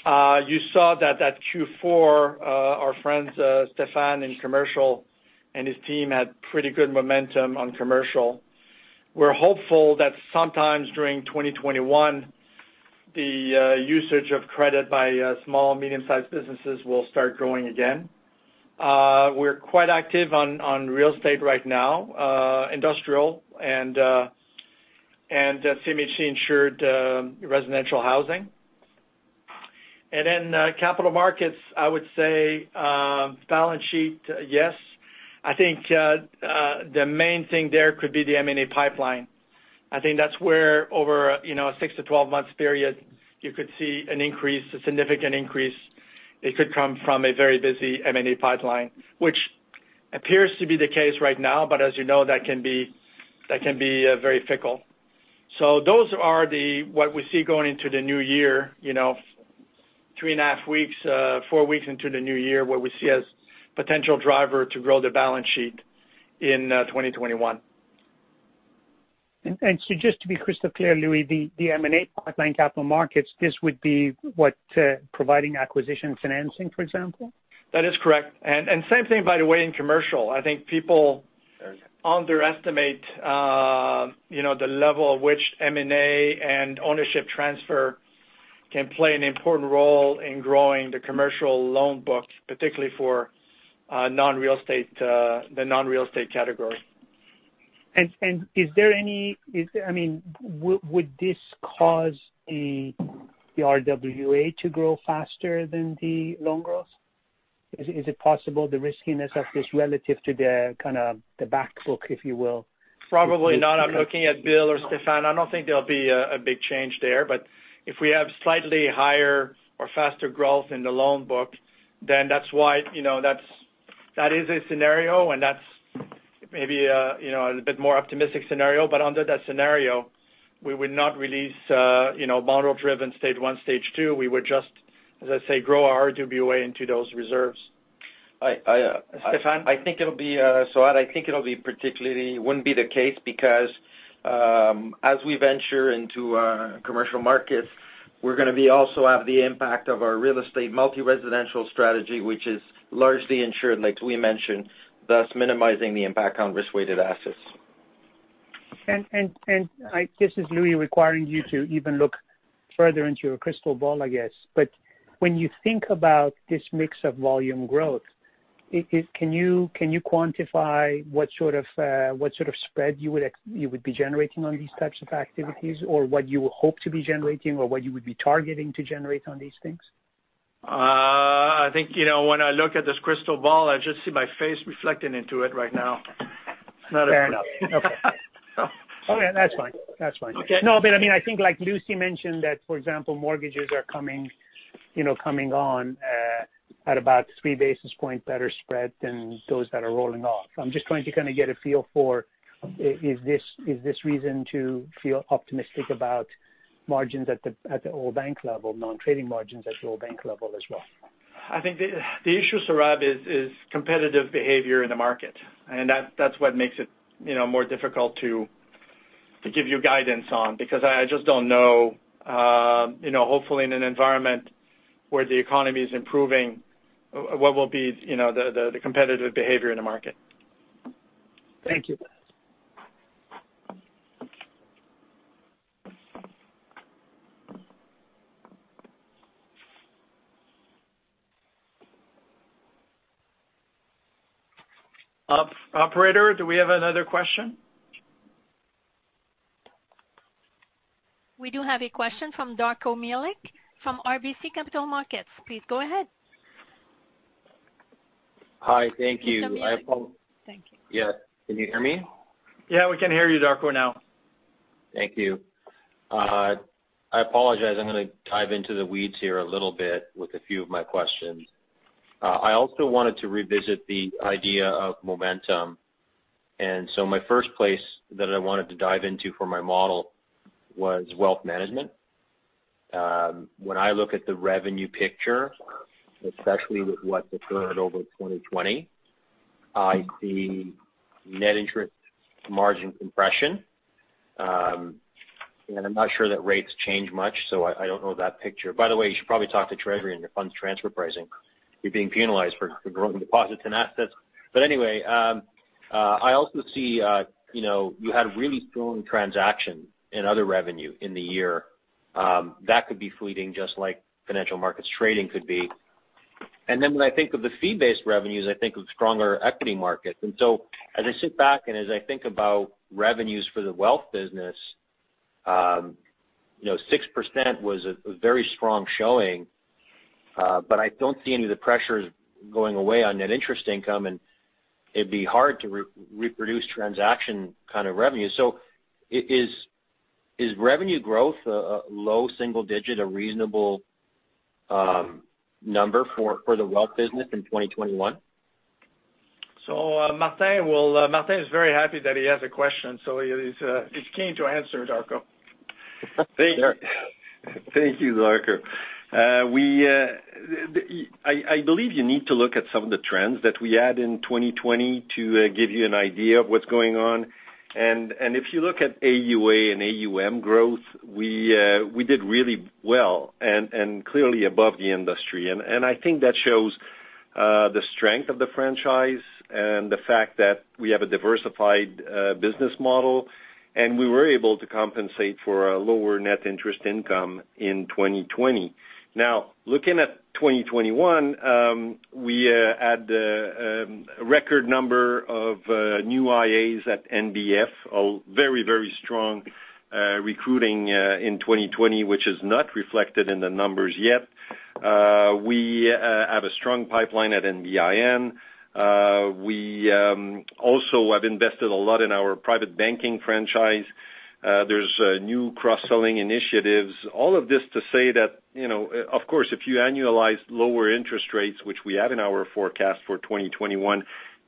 You saw that at Q4, our friends Stéphane in commercial and his team had pretty good momentum on commercial. We're hopeful that sometimes during 2021, the usage of credit by small, medium-sized businesses will start growing again. We're quite active on real estate right now, industrial and CMHC-insured residential housing and then Capital Markets, I would say, balance sheet, yes. I think the main thing there could be the M&A pipeline. I think that's where over a six to 12-month period, you could see an increase, a significant increase. It could come from a very busy M&A pipeline, which appears to be the case right now, but as you know, that can be very fickle so those are what we see going into the new year, three and a half weeks, four weeks into the new year, what we see as a potential driver to grow the balance sheet in 2021. And so just to be crystal clear, Louis, the M&A pipeline Capital Markets, this would be what providing acquisition financing, for example? That is correct. And same thing, by the way, in commercial. I think people underestimate the level of which M&A and ownership transfer can play an important role in growing the commercial loan book, particularly for the non-real estate category. And is there any? I mean, would this cause the RWA to grow faster than the loan growth? Is it possible the riskiness of this relative to kind of the back book, if you will? Probably not. I'm looking at Bill or Stéphane. I don't think there'll be a big change there. But if we have slightly higher or faster growth in the loan book, then that's why that is a scenario, and that's maybe a bit more optimistic scenario. But under that scenario, we would not release model-driven Stage 1, Stage 2. We would just, as I say, grow our RWA into those reserves. Stéphane? I think it'll be so I think it'll be particularly wouldn't be the case because as we venture into commercial markets, we're going to also have the impact of our real estate multi-residential strategy, which is largely insured, like we mentioned, thus minimizing the impact on risk-weighted assets. And I guess is Louis requiring you to even look further into your crystal ball, I guess. But when you think about this mix of volume growth, can you quantify what sort of spread you would be generating on these types of activities or what you hope to be generating or what you would be targeting to generate on these things? I think when I look at this crystal ball, I just see my face reflected into it right now. Not fair enough. Okay. Okay. That's fine. That's fine. No, but I mean, I think like Lucie mentioned that, for example, mortgages are coming on at about three basis points better spread than those that are rolling off. I'm just trying to kind of get a feel for is this reason to feel optimistic about margins at the whole bank level, non-trading margins at the whole bank level as well? I think the issue Sohrab is competitive behavior in the market. And that's what makes it more difficult to give you guidance on because I just don't know, hopefully, in an environment where the economy is improving, what will be the competitive behavior in the market. Thank you. Operator, do we have another question? We do have a question from Darko Mihelic from RBC Capital Markets. Please go ahead. Hi. Thank you. My apologies. Thank you. Yes. Can you hear me? Yeah, we can hear you, Darko, now. Thank you. I apologize. I'm going to dive into the weeds here a little bit with a few of my questions. I also wanted to revisit the idea of momentum. And so my first place that I wanted to dive into for my model was Wealth Management. When I look at the revenue picture, especially with what occurred over 2020, I see net interest margin compression. And I'm not sure that rates change much, so I don't know that picture. By the way, you should probably talk to Treasury and your funds transfer pricing. You're being penalized for growing deposits and assets. But anyway, I also see you had really strong transactions and other revenue in the year. That could be fleeting just like Financial Markets trading could be. And then when I think of the fee-based revenues, I think of stronger equity markets. And so as I sit back and as I think about revenues for the wealth business, 6% was a very strong showing. But I don't see any of the pressures going away on net interest income, and it'd be hard to reproduce transaction kind of revenue. So is revenue growth a low single-digit, a reasonable number for the wealth business in 2021? So Martin is very happy that he has a question, so he's keen to answer, Darko. Thank you, Darko. I believe you need to look at some of the trends that we had in 2020 to give you an idea of what's going on. If you look at AUA and AUM growth, we did really well and clearly above the industry. I think that shows the strength of the franchise and the fact that we have a diversified business model. We were able to compensate for a lower net interest income in 2020. Now, looking at 2021, we had a record number of new IAs at NBF, a very, very strong recruiting in 2020, which is not reflected in the numbers yet. We have a strong pipeline at NBIN. We also have invested a lot in our private banking franchise. There's new cross-selling initiatives. All of this to say that, of course, if you annualize lower interest rates, which we have in our forecast for 2021,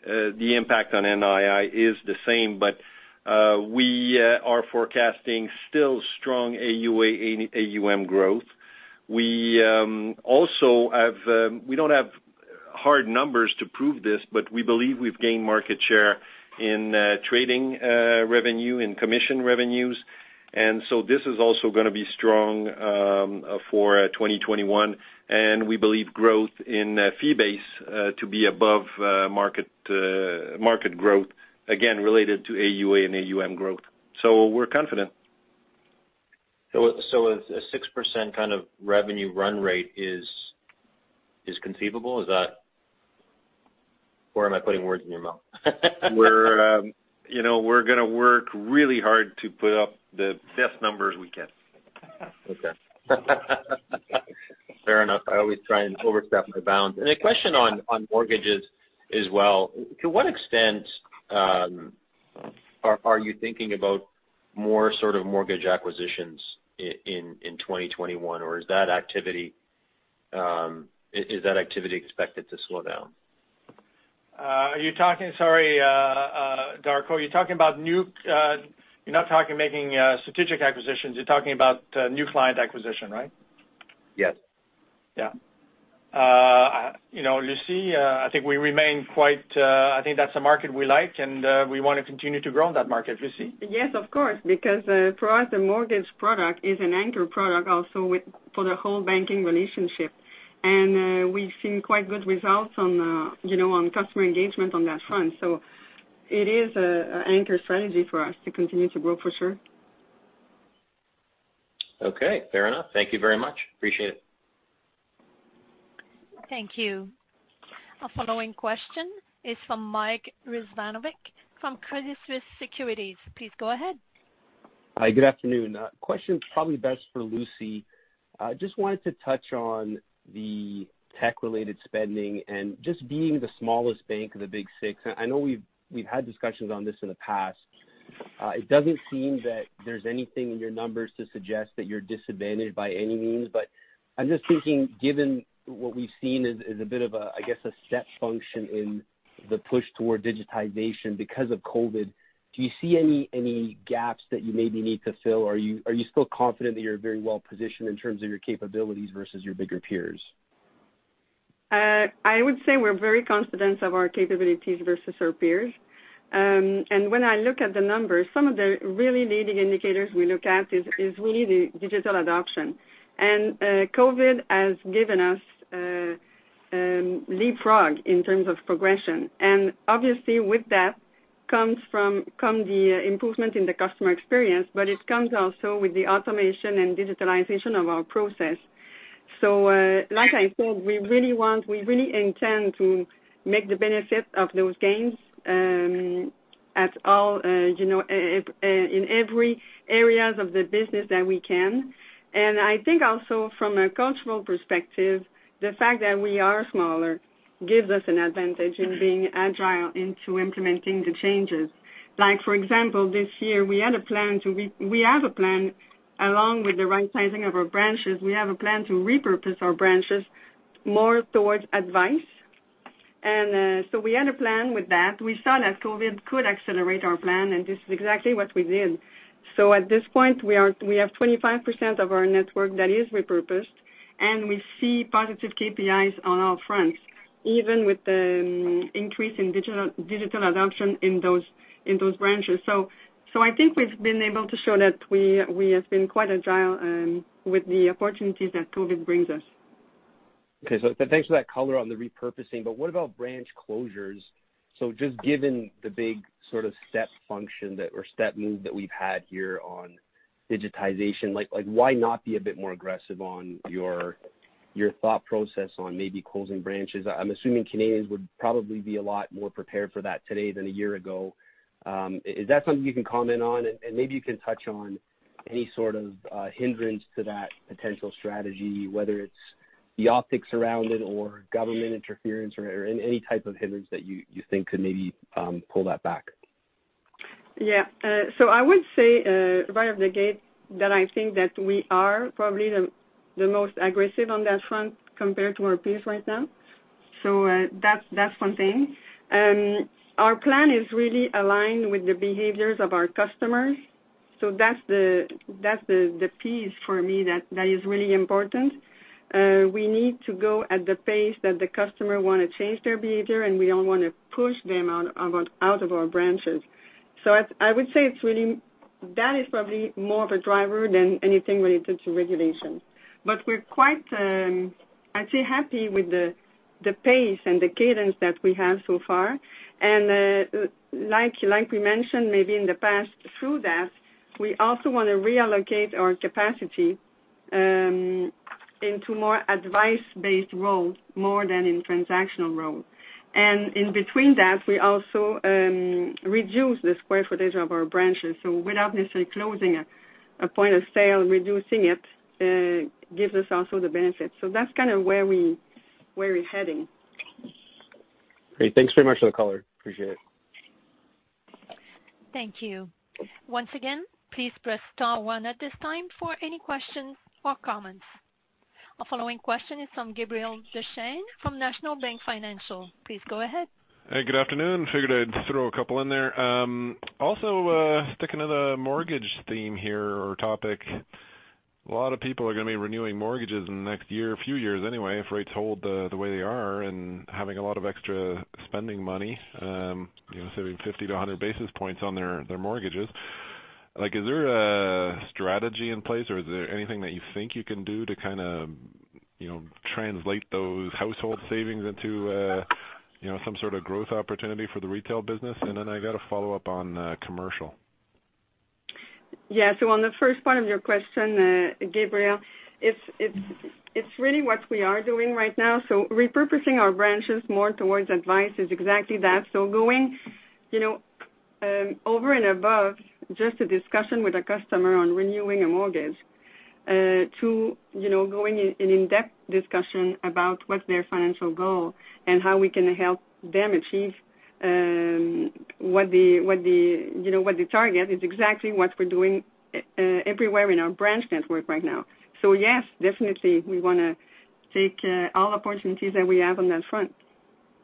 the impact on NII is the same. But we are forecasting still strong AUA and AUM growth. We don't have hard numbers to prove this, but we believe we've gained market share in trading revenue and commission revenues. And so this is also going to be strong for 2021. And we believe growth in fee-based to be above market growth, again, related to AUA and AUM growth. So we're confident. So a 6% kind of revenue run rate is conceivable? Or am I putting words in your mouth? We're going to work really hard to put up the best numbers we can. Okay. Fair enough. I always try and overstep my bounds. And a question on mortgages as well. To what extent are you thinking about more sort of mortgage acquisitions in 2021? Or is that activity expected to slow down? Are you talking, sorry, Darko, are you talking about new? You're not talking making strategic acquisitions. You're talking about new client acquisition, right? Yes. Yeah. Lucie, I think we remain quite. I think that's a market we like, and we want to continue to grow in that market. Lucie? Yes, of course. Because for us, the mortgage product is an anchor product also for the whole banking relationship. And we've seen quite good results on customer engagement on that front. So it is an anchor strategy for us to continue to grow for sure. Okay. Fair enough. Thank you very much. Appreciate it. Thank you. Our following question is from Mike Rizvanovic from Credit Suisse Securities. Please go ahead. Hi. Good afternoon. Question probably best for Lucie. I just wanted to touch on the tech-related spending and just being the smallest bank of the Big Six. I know we've had discussions on this in the past. It doesn't seem that there's anything in your numbers to suggest that you're disadvantaged by any means. But I'm just thinking, given what we've seen as a bit of a, I guess, a step function in the push toward digitization because of COVID, do you see any gaps that you maybe need to fill? Are you still confident that you're very well positioned in terms of your capabilities versus your bigger peers? I would say we're very confident of our capabilities versus our peers. And when I look at the numbers, some of the really leading indicators we look at is really the digital adoption. And COVID has given us leapfrog in terms of progression. And obviously, with that comes the improvement in the customer experience, but it comes also with the automation and digitalization of our process. So like I said, we really intend to make the benefit of those gains in every area of the business that we can. I think also from a cultural perspective, the fact that we are smaller gives us an advantage in being agile into implementing the changes. For example, this year, we have a plan along with the right-sizing of our branches. We have a plan to repurpose our branches more towards advice. We had a plan with that. We saw that COVID could accelerate our plan, and this is exactly what we did. At this point, we have 25% of our network that is repurposed, and we see positive KPIs on all fronts, even with the increase in digital adoption in those branches. I think we've been able to show that we have been quite agile with the opportunities that COVID brings us. Okay. Thanks for that color on the repurposing. What about branch closures? So just given the big sort of step function or step move that we've had here on digitization, why not be a bit more aggressive on your thought process on maybe closing branches? I'm assuming Canadians would probably be a lot more prepared for that today than a year ago. Is that something you can comment on? And maybe you can touch on any sort of hindrance to that potential strategy, whether it's the optics around it or government interference or any type of hindrance that you think could maybe pull that back? Yeah. So I would say right off the gate that I think that we are probably the most aggressive on that front compared to our peers right now. So that's one thing. Our plan is really aligned with the behaviors of our customers. So that's the piece for me that is really important. We need to go at the pace that the customer wants to change their behavior, and we don't want to push them out of our branches. So I would say that is probably more of a driver than anything related to regulation. But we're quite, I'd say, happy with the pace and the cadence that we have so far. And like we mentioned maybe in the past, through that, we also want to reallocate our capacity into more advice-based roles more than in transactional roles. And in between that, we also reduce the square footage of our branches. So without necessarily closing a point of sale, reducing it gives us also the benefit. So that's kind of where we're heading. Great. Thanks very much for the color. Appreciate it. Thank you. Once again, please press star one at this time for any questions or comments. Our following question is from Gabriel Dechaine from National Bank Financial. Please go ahead. Hey, good afternoon. Figured I'd throw a couple in there. Also sticking to the mortgage theme here or topic, a lot of people are going to be renewing mortgages in the next year, a few years anyway, if rates hold the way they are and having a lot of extra spending money, saving 50-100 basis points on their mortgages. Is there a strategy in place, or is there anything that you think you can do to kind of translate those household savings into some sort of growth opportunity for the retail business? And then I got to follow up on commercial. Yeah. So on the first part of your question, Gabriel, it's really what we are doing right now. So repurposing our branches more towards advice is exactly that. Going over and above just a discussion with a customer on renewing a mortgage to going into an in-depth discussion about what's their financial goal and how we can help them achieve what they target is exactly what we're doing everywhere in our branch network right now. Yes, definitely, we want to take all opportunities that we have on that front.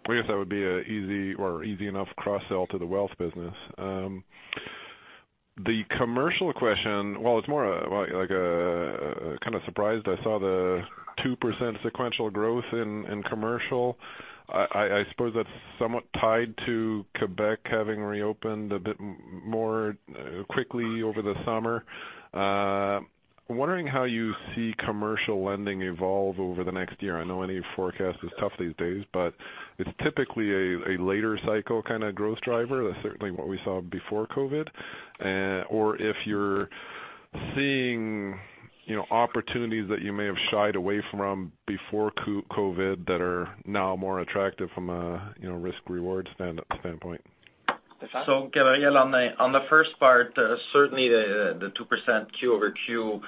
I guess that would be an easy or easy enough cross-sell to the wealth business. The commercial question, well, it's more like a kind of surprised. I saw the 2% sequential growth in commercial. I suppose that's somewhat tied to Quebec having reopened a bit more quickly over the summer. I'm wondering how you see commercial lending evolve over the next year. I know any forecast is tough these days, but it's typically a later cycle kind of growth driver. That's certainly what we saw before COVID. Or if you're seeing opportunities that you may have shied away from before COVID that are now more attractive from a risk-reward standpoint. So Gabriel, on the first part, certainly the 2% Q-over-Q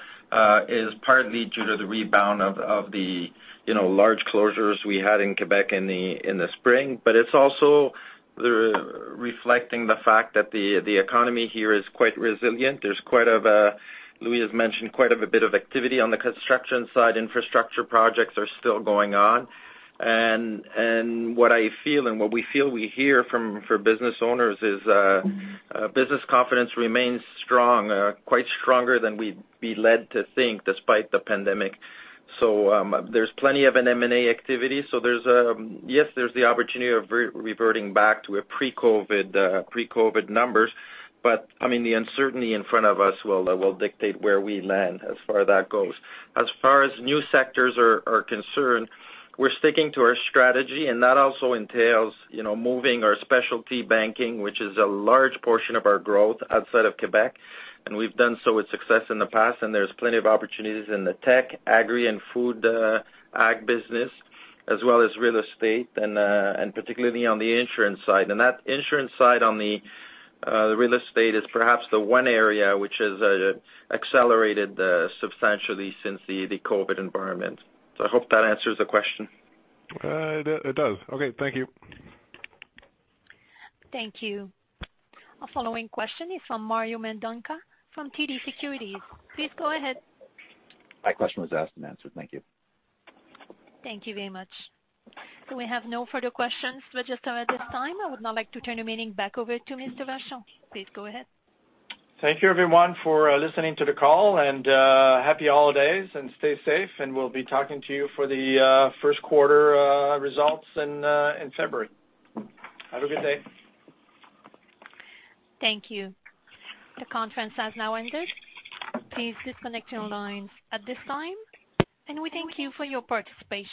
is partly due to the rebound of the large closures we had in Quebec in the spring. But it's also reflecting the fact that the economy here is quite resilient. There's quite a, Louis has mentioned, quite a bit of activity on the construction side. Infrastructure projects are still going on. And what I feel and what we feel we hear from business owners is business confidence remains strong, quite stronger than we'd be led to think despite the pandemic. So there's plenty of an M&A activity. So yes, there's the opportunity of reverting back to pre-COVID numbers. But I mean, the uncertainty in front of us will dictate where we land as far as that goes. As far as new sectors are concerned, we're sticking to our strategy. And that also entails moving our specialty banking, which is a large portion of our growth outside of Quebec. And we've done so with success in the past. And there's plenty of opportunities in the tech, agri, and Food & Ag business, as well as real estate, and particularly on the insurance side. And that insurance side on the real estate is perhaps the one area which has accelerated substantially since the COVID environment. So I hope that answers the question. It does. Okay. Thank you. Thank you. Our following question is from Mario Mendonca from TD Securities. Please go ahead. My question was asked and answered. Thank you. Thank you very much. So we have no further questions. But just at this time, I would now like to turn the meeting back over to Mr. Vachon. Please go ahead. Thank you, everyone, for listening to the call. And happy holidays. And stay safe. And we'll be talking to you for the first quarter results in February. Have a good day. Thank you. The conference has now ended. Please disconnect your lines at this time. And we thank you for your participation.